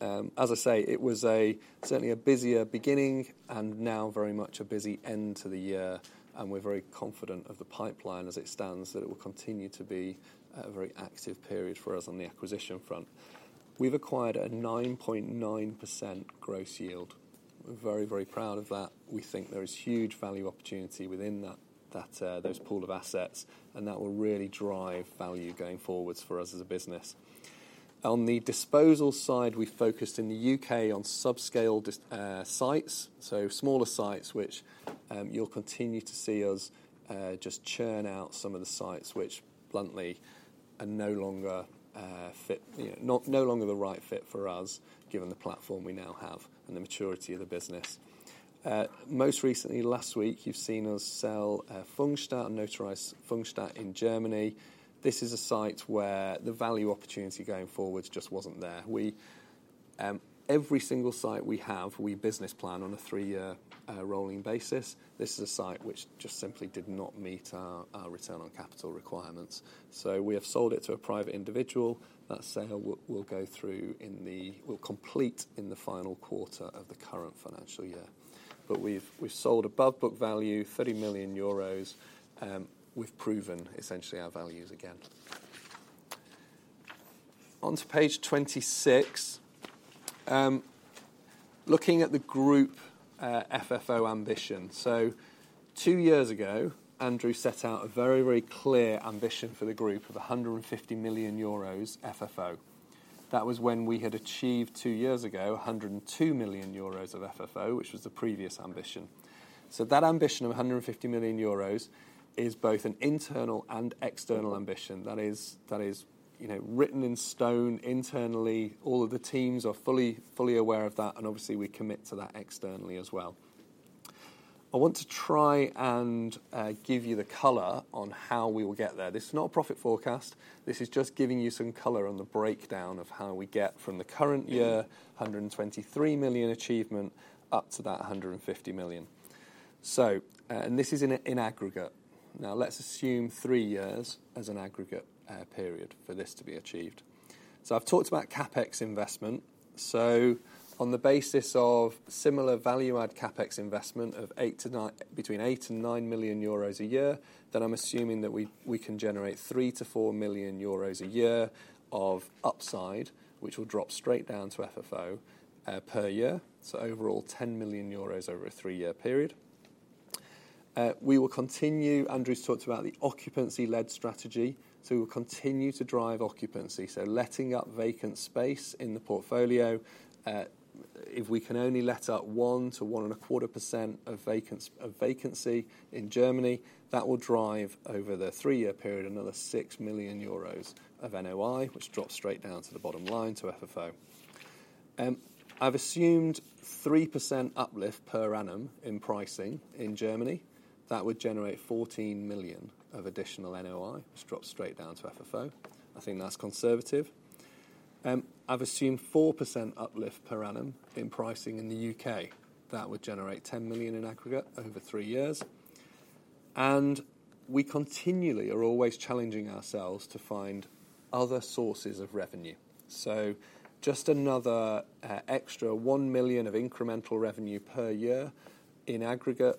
As I say, it was certainly a busier beginning and now very much a busy end to the year. We're very confident of the pipeline as it stands, that it will continue to be a very active period for us on the acquisition front. We've acquired a 9.9% gross yield. We're very, very proud of that. We think there is huge value opportunity within those pool of assets, and that will really drive value going forwards for us as a business. On the disposal side, we focused in the U.K. on subscale sites, so smaller sites which you'll continue to see us just churn out some of the sites which bluntly are no longer the right fit for us, given the platform we now have and the maturity of the business. Most recently, last week, you've seen us sell Pfungstadt, notarized Pfungstadt in Germany. This is a site where the value opportunity going forward just wasn't there. Every single site we have, we business plan on a three-year rolling basis. This is a site which just simply did not meet our return on capital requirements. So we have sold it to a private individual. That sale will go through and will complete in the final quarter of the current financial year. We have sold above book value, 30 million euros. We have proven essentially our values again. On to page twenty-six, looking at the group FFO ambition. Two years ago, Andrew set out a very, very clear ambition for the group of 150 million euros FFO. That was when we had achieved two years ago 102 million euros of FFO, which was the previous ambition. That ambition of 150 million euros is both an internal and external ambition. That is written in stone internally. All of the teams are fully aware of that, and obviously we commit to that externally as well. I want to try and give you the color on how we will get there. This is not a profit forecast. This is just giving you some color on the breakdown of how we get from the current year, 123 million achievement, up to that 150 million. This is in aggregate. Now, let's assume three years as an aggregate period for this to be achieved. I've talked about CapEx investment. On the basis of similar value-add CapEx investment of between 8 million-9 million euros a year, then I'm assuming that we can generate 3 million-4 million euros a year of upside, which will drop straight down to FFO per year. Overall, 10 million euros over a three-year period. We will continue, Andrew's talked about the occupancy-led strategy. We will continue to drive occupancy, letting up vacant space in the portfolio. If we can only let up 1%-1.25% of vacancy in Germany, that will drive over the three-year period another 6 million euros of NOI, which drops straight down to the bottom line to FFO. I've assumed 3% uplift per annum in pricing in Germany. That would generate 14 million of additional NOI, which drops straight down to FFO. I think that's conservative. I've assumed 4% uplift per annum in pricing in the U.K. That would generate 10 million in aggregate over three years. We continually are always challenging ourselves to find other sources of revenue. Just another extra 1 million of incremental revenue per year in aggregate,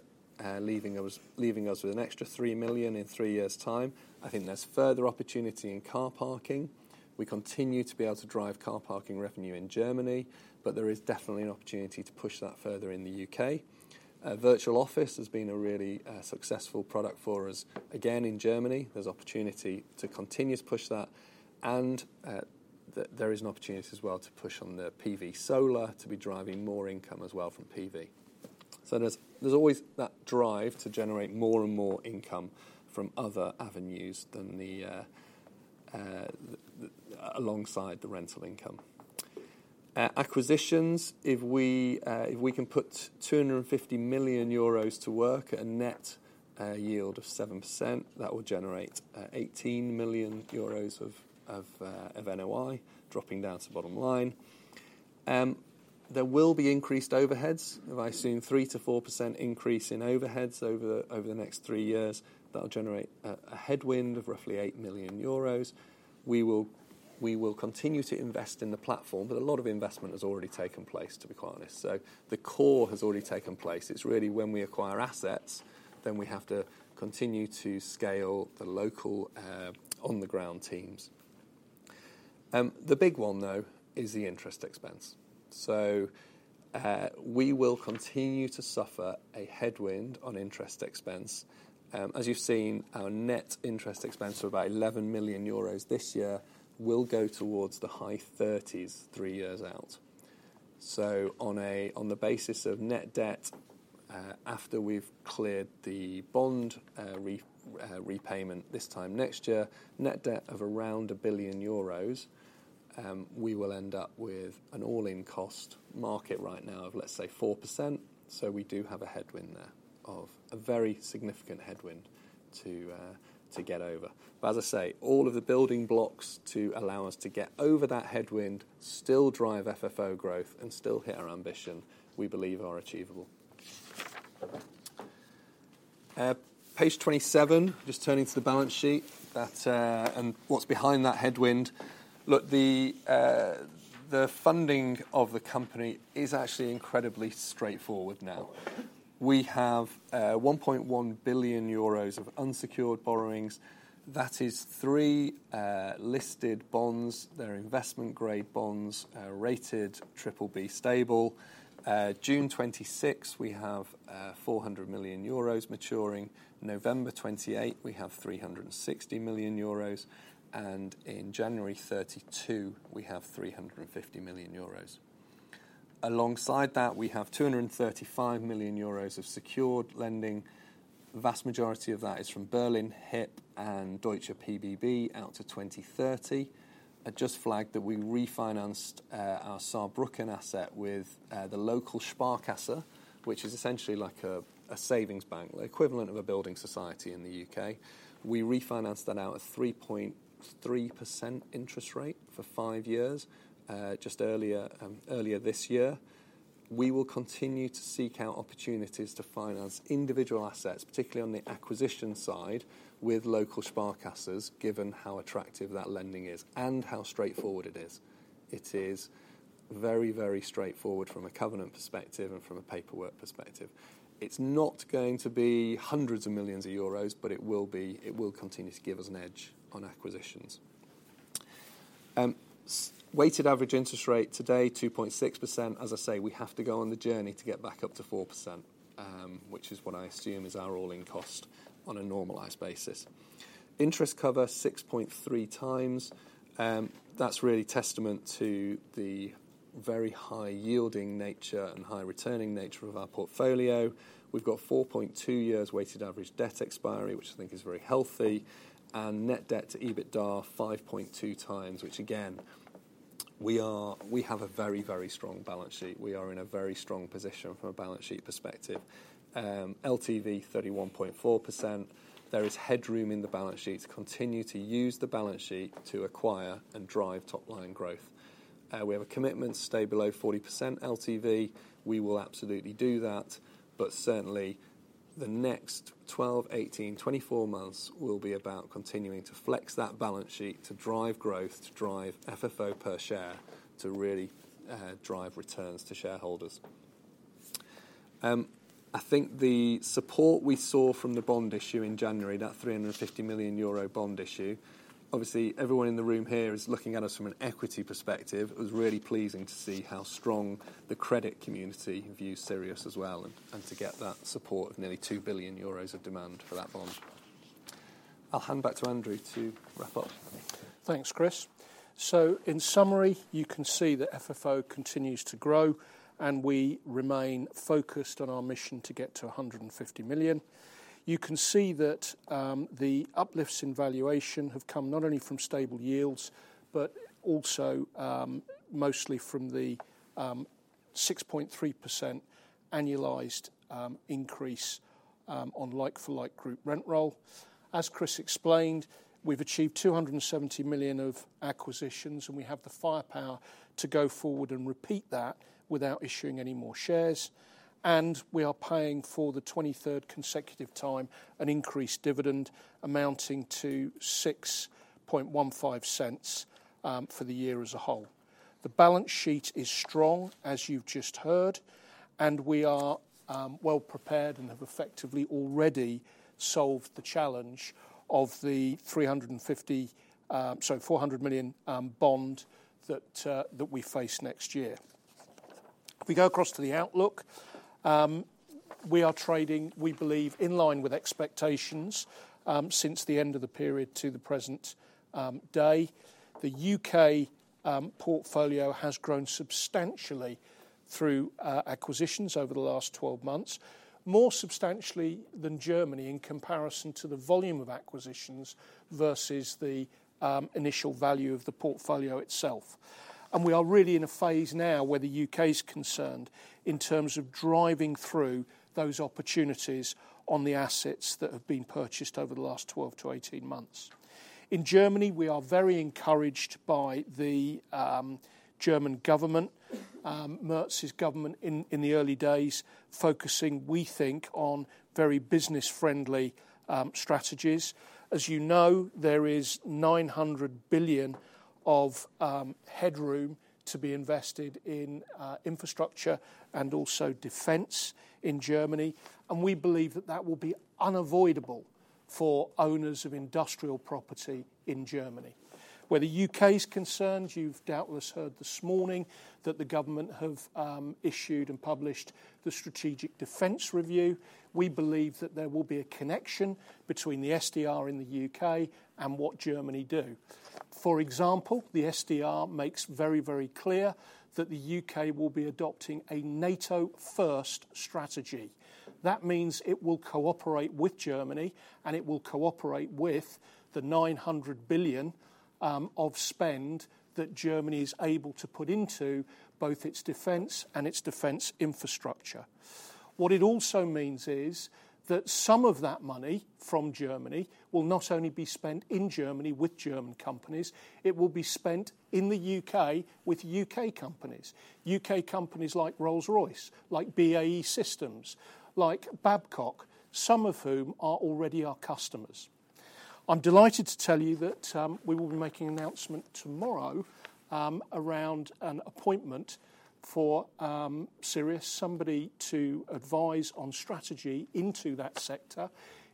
leaving us with an extra 3 million in three years' time. I think there's further opportunity in car parking. We continue to be able to drive car parking revenue in Germany, but there is definitely an opportunity to push that further in the U.K. Virtual office has been a really successful product for us. Again, in Germany, there is opportunity to continue to push that. There is an opportunity as well to push on the PV solar to be driving more income as well from PV. There is always that drive to generate more and more income from other avenues alongside the rental income. Acquisitions, if we can put 250 million euros to work at a net yield of 7%, that will generate 18 million euros of NOI, dropping down to bottom line. There will be increased overheads. I assume 3%-4% increase in overheads over the next three years. That will generate a headwind of roughly 8 million euros. We will continue to invest in the platform, but a lot of investment has already taken place, to be quite honest. The core has already taken place. It's really when we acquire assets, then we have to continue to scale the local on-the-ground teams. The big one, though, is the interest expense. We will continue to suffer a headwind on interest expense. As you've seen, our net interest expense of about 11 million euros this year will go towards the high 30s three years out. On the basis of net debt, after we've cleared the bond repayment this time next year, net debt of around 1 billion euros, we will end up with an all-in cost market right now of, let's say, 4%. We do have a headwind there, a very significant headwind to get over. As I say, all of the building blocks to allow us to get over that headwind, still drive FFO growth, and still hit our ambition, we believe are achievable. Page twenty-seven, just turning to the balance sheet and what is behind that headwind. Look, the funding of the company is actually incredibly straightforward now. We have 1.1 billion euros of unsecured borrowings. That is three listed bonds. They are investment-grade bonds, rated triple B stable. June 2026, we have 400 million euros maturing. November 2028, we have 360 million euros. In January 2032, we have 350 million euros. Alongside that, we have 235 million euros of secured lending. The vast majority of that is from BerlinHhyp, and Deutsche PBB out to 2030. I just flagged that we refinanced our Saarbrücken asset with the local Sparkasse, which is essentially like a savings bank, the equivalent of a building society in the U.K. We refinanced that out at 3.3% interest rate for five years, just earlier this year. We will continue to seek out opportunities to finance individual assets, particularly on the acquisition side, with local Sparkasses, given how attractive that lending is and how straightforward it is. It is very, very straightforward from a covenant perspective and from a paperwork perspective. It's not going to be hundreds of millions of EUR, but it will continue to give us an edge on acquisitions. Weighted average interest rate today, 2.6%. As I say, we have to go on the journey to get back up to 4%, which is what I assume is our all-in cost on a normalized basis. Interest cover 6.3 times. That's really testament to the very high-yielding nature and high-returning nature of our portfolio. We've got 4.2 years weighted average debt expiry, which I think is very healthy. Net debt to EBITDA 5.2 times, which again, we have a very, very strong balance sheet. We are in a very strong position from a balance sheet perspective. LTV 31.4%. There is headroom in the balance sheet to continue to use the balance sheet to acquire and drive top-line growth. We have a commitment to stay below 40% LTV. We will absolutely do that. Certainly, the next 12, 18, 24 months will be about continuing to flex that balance sheet to drive growth, to drive FFO per share, to really drive returns to shareholders. I think the support we saw from the bond issue in January, that 350 million euro bond issue, obviously everyone in the room here is looking at us from an equity perspective. It was really pleasing to see how strong the credit community views Sirius as well and to get that support of nearly 2 billion euros of demand for that bond. I'll hand back to Andrew to wrap up. Thanks, Chris. In summary, you can see that FFO continues to grow, and we remain focused on our mission to get to 150 million. You can see that the uplifts in valuation have come not only from stable yields, but also mostly from the 6.3% annualized increase on like-for-like group rent roll. As Chris explained, we've achieved 270 million of acquisitions, and we have the firepower to go forward and repeat that without issuing any more shares. We are paying for the twenty-third consecutive time an increased dividend amounting to 6.15 for the year as a whole. The balance sheet is strong, as you've just heard, and we are well prepared and have effectively already solved the challenge of the 400 million bond that we face next year. If we go across to the outlook, we are trading, we believe, in line with expectations since the end of the period to the present day. The U.K. portfolio has grown substantially through acquisitions over the last 12 months, more substantially than Germany in comparison to the volume of acquisitions versus the initial value of the portfolio itself. We are really in a phase now where the U.K. is concerned in terms of driving through those opportunities on the assets that have been purchased over the last 12 months-18 months. In Germany, we are very encouraged by the German government, Merz's government in the early days, focusing, we think, on very business-friendly strategies. As you know, there is 900 billion of headroom to be invested in infrastructure and also defense in Germany. We believe that that will be unavoidable for owners of industrial property in Germany. Where the U.K. is concerned, you've doubtless heard this morning that the government have issued and published the Strategic Defense Review. We believe that there will be a connection between the SDR in the U.K. and what Germany do. For example, the SDR makes very, very clear that the U.K. will be adopting a NATO-first strategy. That means it will cooperate with Germany, and it will cooperate with the 900 billion of spend that Germany is able to put into both its defense and its defense infrastructure. What it also means is that some of that money from Germany will not only be spent in Germany with German companies, it will be spent in the U.K. with U.K. companies, U.K. companies like Rolls-Royce, like BAE Systems, like Babcock, some of whom are already our customers. I'm delighted to tell you that we will be making an announcement tomorrow around an appointment for Sirius, somebody to advise on strategy into that sector.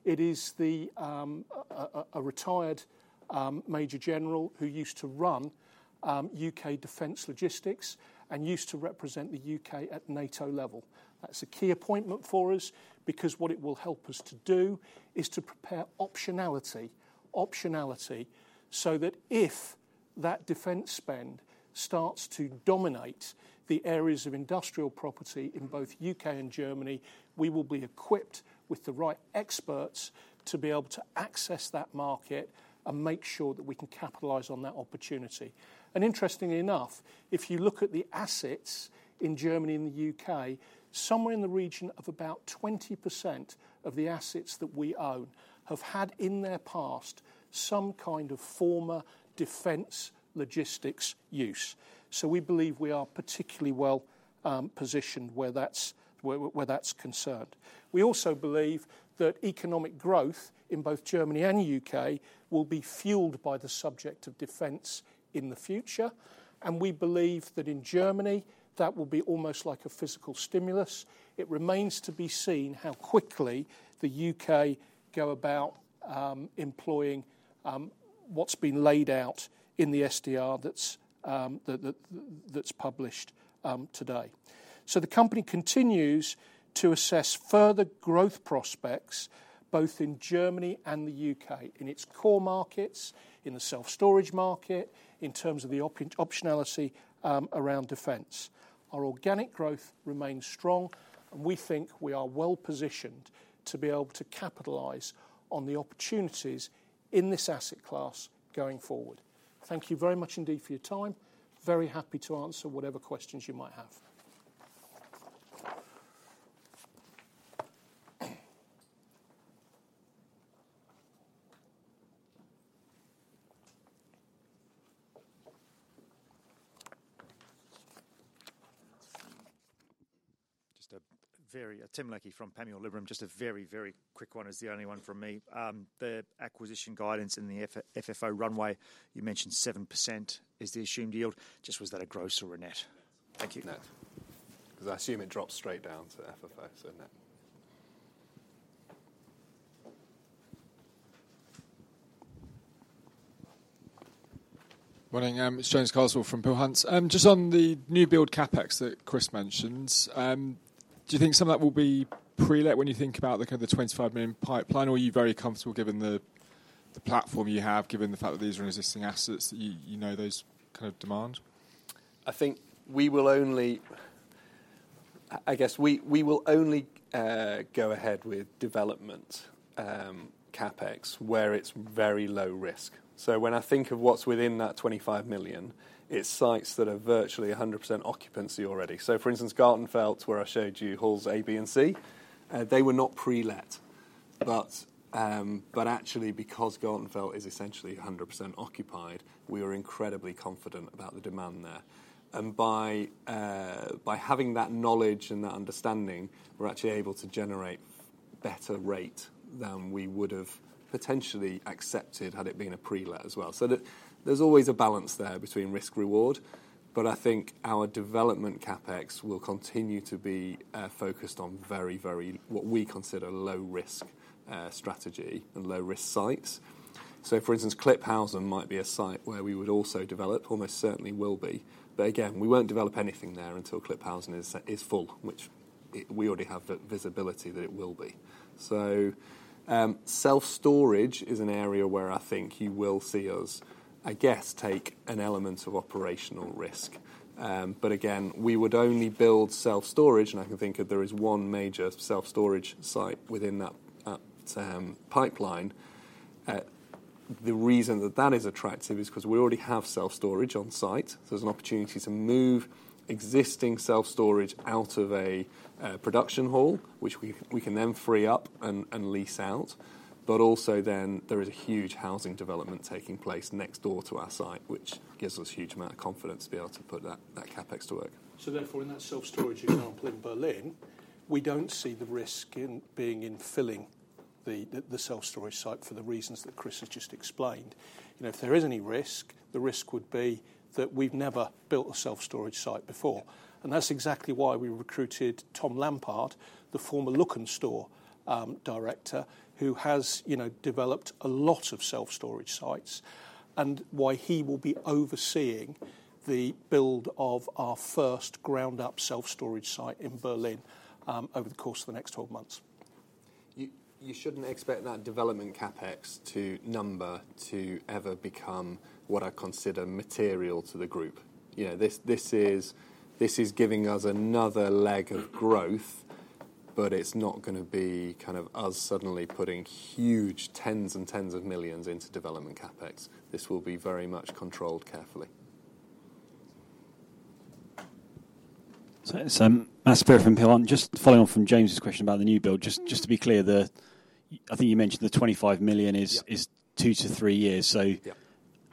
It is a retired Major General who used to run U.K. defense logistics and used to represent the U.K. at NATO level. That's a key appointment for us because what it will help us to do is to prepare optionality, optionality so that if that defense spend starts to dominate the areas of industrial property in both U.K. and Germany, we will be equipped with the right experts to be able to access that market and make sure that we can capitalize on that opportunity. Interestingly enough, if you look at the assets in Germany and the U.K., somewhere in the region of about 20% of the assets that we own have had in their past some kind of former defense logistics use. We believe we are particularly well positioned where that's concerned. We also believe that economic growth in both Germany and the U.K. will be fueled by the subject of defense in the future. We believe that in Germany, that will be almost like a physical stimulus. It remains to be seen how quickly the U.K. go about employing what's been laid out in the SDR that's published today. The company continues to assess further growth prospects both in Germany and the U.K. in its core markets, in the self-storage market, in terms of the optionality around defense. Our organic growth remains strong, and we think we are well positioned to be able to capitalize on the opportunities in this asset class going forward. Thank you very much indeed for your time. Very happy to answer whatever questions you might have. Just a very quick one from Tim Leckie from Panmure Liberum, just a very, very quick one, it is the only one from me. The acquisition guidance in the FFO runway, you mentioned 7% is the assumed yield. Just was that a gross or a net? Thank you. Net. Because I assume it drops straight down to FFO, so net. Morning. It's James Carlswell from Peel Hunt. Just on the new build CapEx that Chris mentioned, do you think some of that will be pre-let when you think about the kind of the 25 million pipeline, or are you very comfortable given the platform you have, given the fact that these are existing assets that you know those kind of demand? I think we will only, I guess we will only go ahead with development CapEx where it's very low risk. When I think of what's within that 25 million, it's sites that are virtually 100% occupancy already. For instance, Gartenfeld, where I showed you halls A, B, and C, they were not pre-let. Actually, because Gartenfeld is essentially 100% occupied, we were incredibly confident about the demand there. By having that knowledge and that understanding, we're actually able to generate better rate than we would have potentially accepted had it been a pre-let as well. There's always a balance there between risk-reward. I think our development CapEx will continue to be focused on very, very what we consider low-risk strategy and low-risk sites. For instance, Klipphausen might be a site where we would also develop, almost certainly will be. Again, we will not develop anything there until Klipphausen is full, which we already have the visibility that it will be. Self-storage is an area where I think you will see us, I guess, take an element of operational risk. Again, we would only build self-storage, and I can think of there is one major self-storage site within that pipeline. The reason that that is attractive is because we already have self-storage on site. There is an opportunity to move existing self-storage out of a production hall, which we can then free up and lease out. Also, there is a huge housing development taking place next door to our site, which gives us a huge amount of confidence to be able to put that CapEx to work. Therefore, in that self-storage example in Berlin, we do not see the risk in filling the self-storage site for the reasons that Chris has just explained. If there is any risk, the risk would be that we have never built a self-storage site before. That is exactly why we recruited Tom Lampard, the former Lok'nStore Director, who has developed a lot of self-storage sites, and why he will be overseeing the build of our first ground-up self-storage site in Berlin over the course of the next 12 months. You shouldn't expect that development CapEx number to ever become what I consider material to the group. This is giving us another leg of growth, but it's not going to be kind of us suddenly putting huge tens and tens of millions into development CapEx. This will be very much controlled carefully. That's some aspect from Pilon. Just following on from James's question about the new build, just to be clear, I think you mentioned the 25 million is two to three years.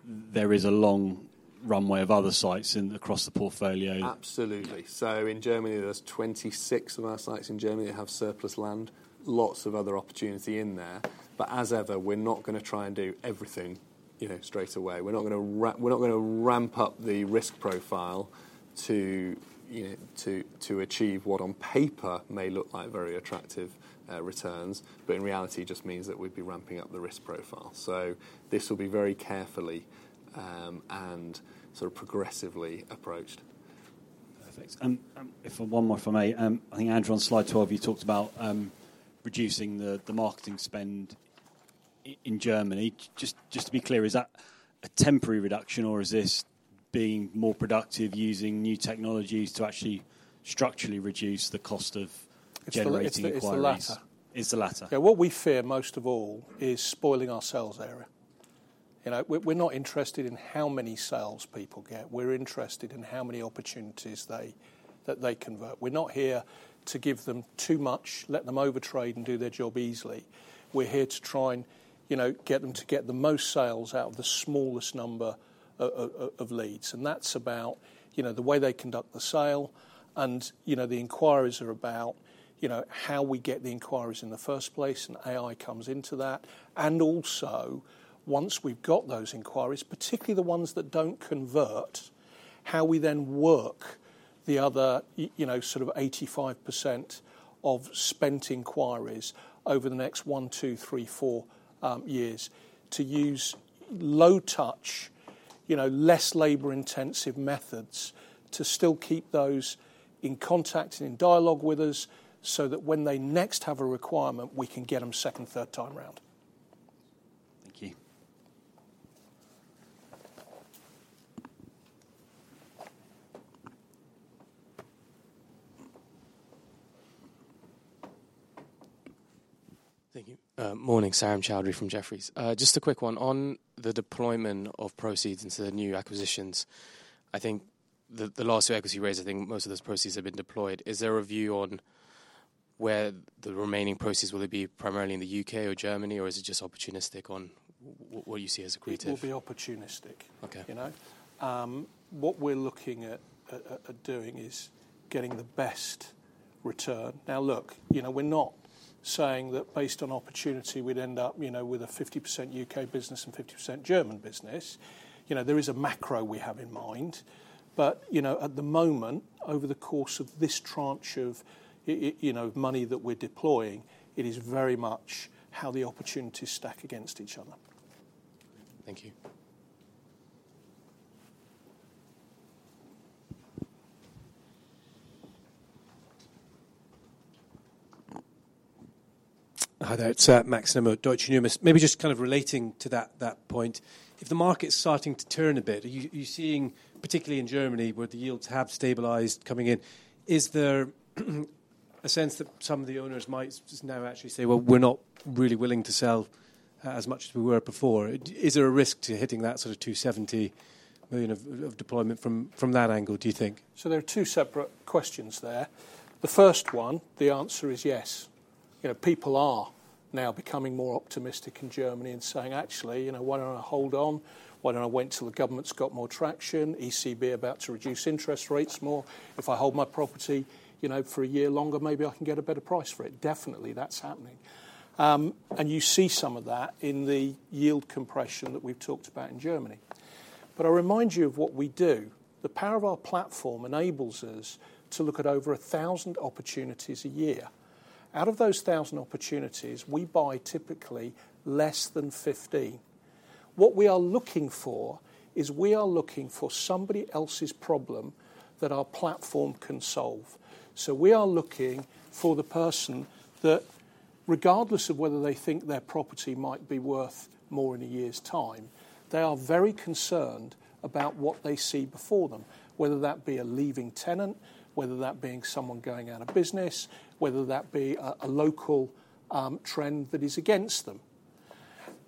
There is a long runway of other sites across the portfolio. Absolutely. In Germany, there are 26 of our sites in Germany that have surplus land. Lots of other opportunity in there. As ever, we're not going to try and do everything straight away. We're not going to ramp up the risk profile to achieve what on paper may look like very attractive returns, but in reality just means that we'd be ramping up the risk profile. This will be very carefully and sort of progressively approached. Perfect. If one more from me, I think Andrew on slide 12, you talked about reducing the marketing spend in Germany. Just to be clear, is that a temporary reduction, or is this being more productive using new technologies to actually structurally reduce the cost of generating the required? It's the latter. It's the latter. Yeah. What we fear most of all is spoiling our sales area. We're not interested in how many sales people get. We're interested in how many opportunities that they convert. We're not here to give them too much, let them overtrade and do their job easily. We're here to try and get them to get the most sales out of the smallest number of leads. That is about the way they conduct the sale. The inquiries are about how we get the inquiries in the first place, and AI comes into that. Once we've got those inquiries, particularly the ones that do not convert, how we then work the other sort of 85% of spent inquiries over the next one, two, three, four years to use low-touch, less labor-intensive methods to still keep those in contact and in dialogue with us so that when they next have a requirement, we can get them second, third time around. Thank you. Thank you. Morning. Sarim Chaudhry from Jefferies. Just a quick one on the deployment of proceeds into the new acquisitions. I think the last two equity raises, I think most of those proceeds have been deployed. Is there a view on where the remaining proceeds will be primarily in the U.K. or Germany, or is it just opportunistic on what you see as accretive? It will be opportunistic. What we're looking at doing is getting the best return. Now, look, we're not saying that based on opportunity, we'd end up with a 50% U.K. business and 50% German business. There is a macro we have in mind. At the moment, over the course of this tranche of money that we're deploying, it is very much how the opportunities stack against each other. Thank you. Hi there. It's Max Nimmo, Deutsche Numis. Maybe just kind of relating to that point, if the market's starting to turn a bit, are you seeing, particularly in Germany, where the yields have stabilized coming in, is there a sense that some of the owners might now actually say, "Well, we're not really willing to sell as much as we were before"? Is there a risk to hitting that sort of 270 million of deployment from that angle, do you think? There are two separate questions there. The first one, the answer is yes. People are now becoming more optimistic in Germany and saying, "Actually, why do not I hold on? Why do not I wait till the government's got more traction? ECB about to reduce interest rates more. If I hold my property for a year longer, maybe I can get a better price for it." Definitely, that is happening. You see some of that in the yield compression that we have talked about in Germany. I remind you of what we do. The power of our platform enables us to look at over 1,000 opportunities a year. Out of those 1,000 opportunities, we buy typically less than 15. What we are looking for is we are looking for somebody else's problem that our platform can solve. We are looking for the person that, regardless of whether they think their property might be worth more in a year's time, they are very concerned about what they see before them, whether that be a leaving tenant, whether that be someone going out of business, whether that be a local trend that is against them.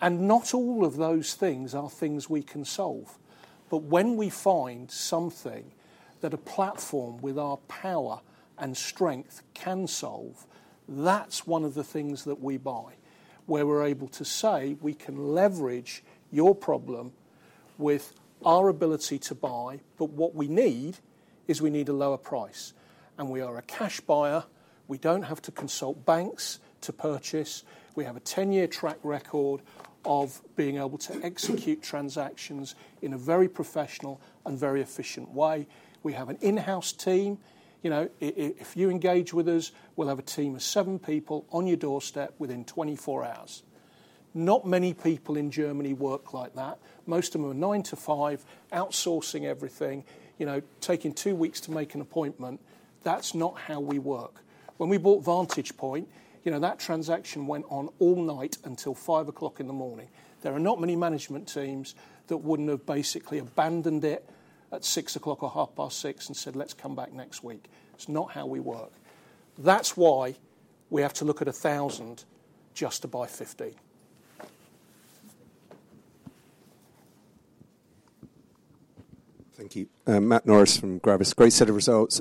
Not all of those things are things we can solve. When we find something that a platform with our power and strength can solve, that's one of the things that we buy, where we're able to say, "We can leverage your problem with our ability to buy, but what we need is we need a lower price." We are a cash buyer. We do not have to consult banks to purchase. We have a 10-year track record of being able to execute transactions in a very professional and very efficient way. We have an in-house team. If you engage with us, we'll have a team of seven people on your doorstep within 24 hours. Not many people in Germany work like that. Most of them are 9 to 5, outsourcing everything, taking two weeks to make an appointment. That's not how we work. When we bought Vantage Point, that transaction went on all night until 5:00 A.M. There are not many management teams that wouldn't have basically abandoned it at 6:00 or 6:30 and said, "Let's come back next week." It's not how we work. That's why we have to look at 1,000 just to buy 15. Thank you. Matt Norris from Gravis. Great set of results.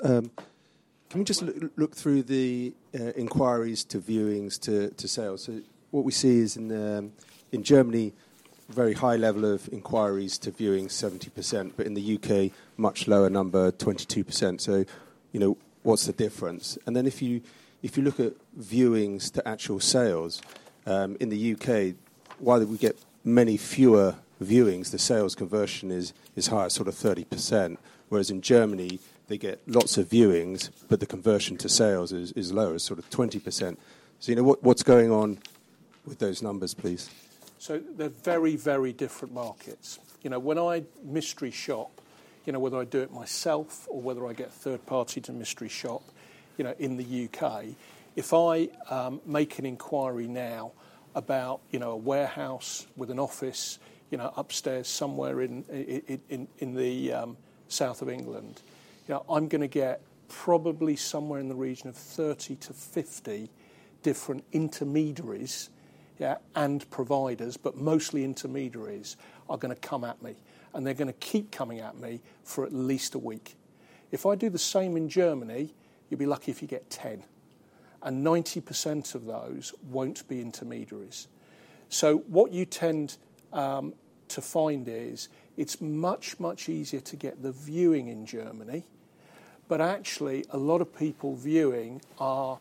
Can we just look through the inquiries to viewings to sales? What we see is in Germany, very high level of inquiries to viewings, 70%, but in the U.K., much lower number, 22%. What is the difference? If you look at viewings to actual sales, in the U.K., while we get many fewer viewings, the sales conversion is higher, sort of 30%, whereas in Germany, they get lots of viewings, but the conversion to sales is lower, sort of 20%. What is going on with those numbers, please? They're very, very different markets. When I mystery shop, whether I do it myself or whether I get a third party to mystery shop in the U.K., if I make an inquiry now about a warehouse with an office upstairs somewhere in the south of England, I'm going to get probably somewhere in the region of 30-50 different intermediaries and providers, but mostly intermediaries, are going to come at me. They're going to keep coming at me for at least a week. If I do the same in Germany, you'd be lucky if you get 10. Ninety percent of those won't be intermediaries. What you tend to find is it's much, much easier to get the viewing in Germany. Actually, a lot of people viewing are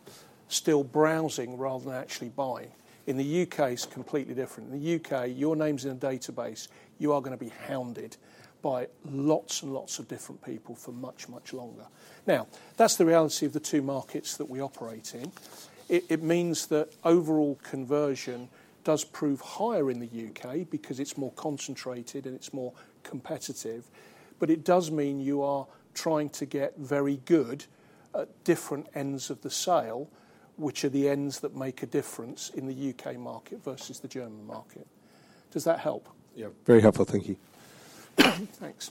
still browsing rather than actually buying. In the U.K., it's completely different. In the U.K., your name's in a database, you are going to be hounded by lots and lots of different people for much, much longer. Now, that's the reality of the two markets that we operate in. It means that overall conversion does prove higher in the U.K. because it's more concentrated and it's more competitive. It does mean you are trying to get very good at different ends of the sale, which are the ends that make a difference in the U.K. market versus the German market. Does that help? Yeah. Very helpful. Thank you. Thanks.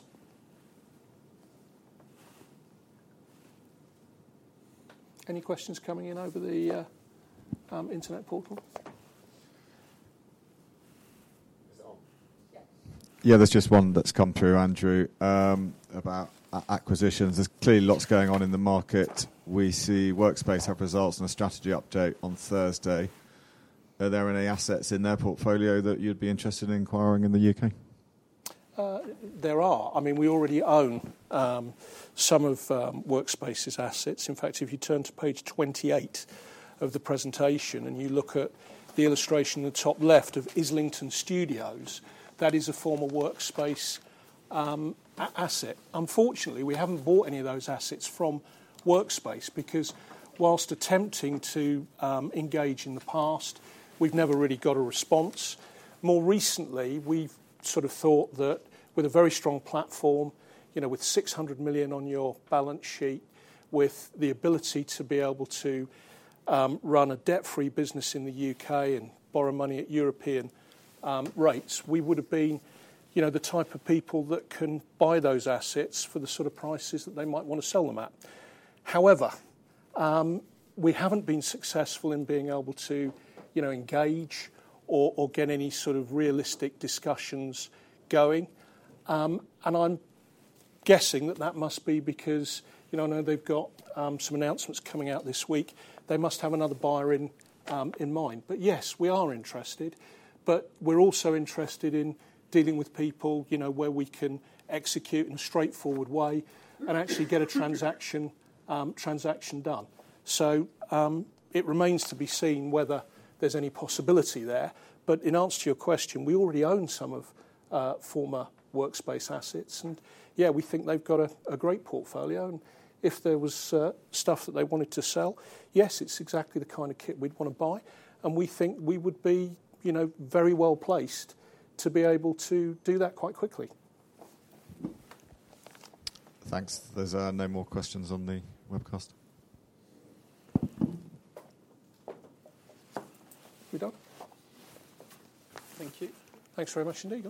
Any questions coming in over the internet portal? Yeah, there's just one that's come through, Andrew, about acquisitions. There's clearly lots going on in the market. We see Workspace have results and a strategy update on Thursday. Are there any assets in their portfolio that you'd be interested in inquiring in the U.K.? There are. I mean, we already own some of Workspace's assets. In fact, if you turn to page 28 of the presentation and you look at the illustration in the top left of Islington Studios, that is a former Workspace asset. Unfortunately, we haven't bought any of those assets from Workspace because whilst attempting to engage in the past, we've never really got a response. More recently, we've sort of thought that with a very strong platform, with 600 million on your balance sheet, with the ability to be able to run a debt-free business in the U.K. and borrow money at European rates, we would have been the type of people that can buy those assets for the sort of prices that they might want to sell them at. However, we haven't been successful in being able to engage or get any sort of realistic discussions going. I'm guessing that must be because I know they've got some announcements coming out this week. They must have another buyer in mind. Yes, we are interested, but we're also interested in dealing with people where we can execute in a straightforward way and actually get a transaction done. It remains to be seen whether there's any possibility there. In answer to your question, we already own some of former Workspace assets. Yeah, we think they've got a great portfolio. If there was stuff that they wanted to sell, yes, it's exactly the kind of kit we'd want to buy. We think we would be very well placed to be able to do that quite quickly. Thanks. There's no more questions on the webcast. We're done. Thank you. Thanks very much indeed.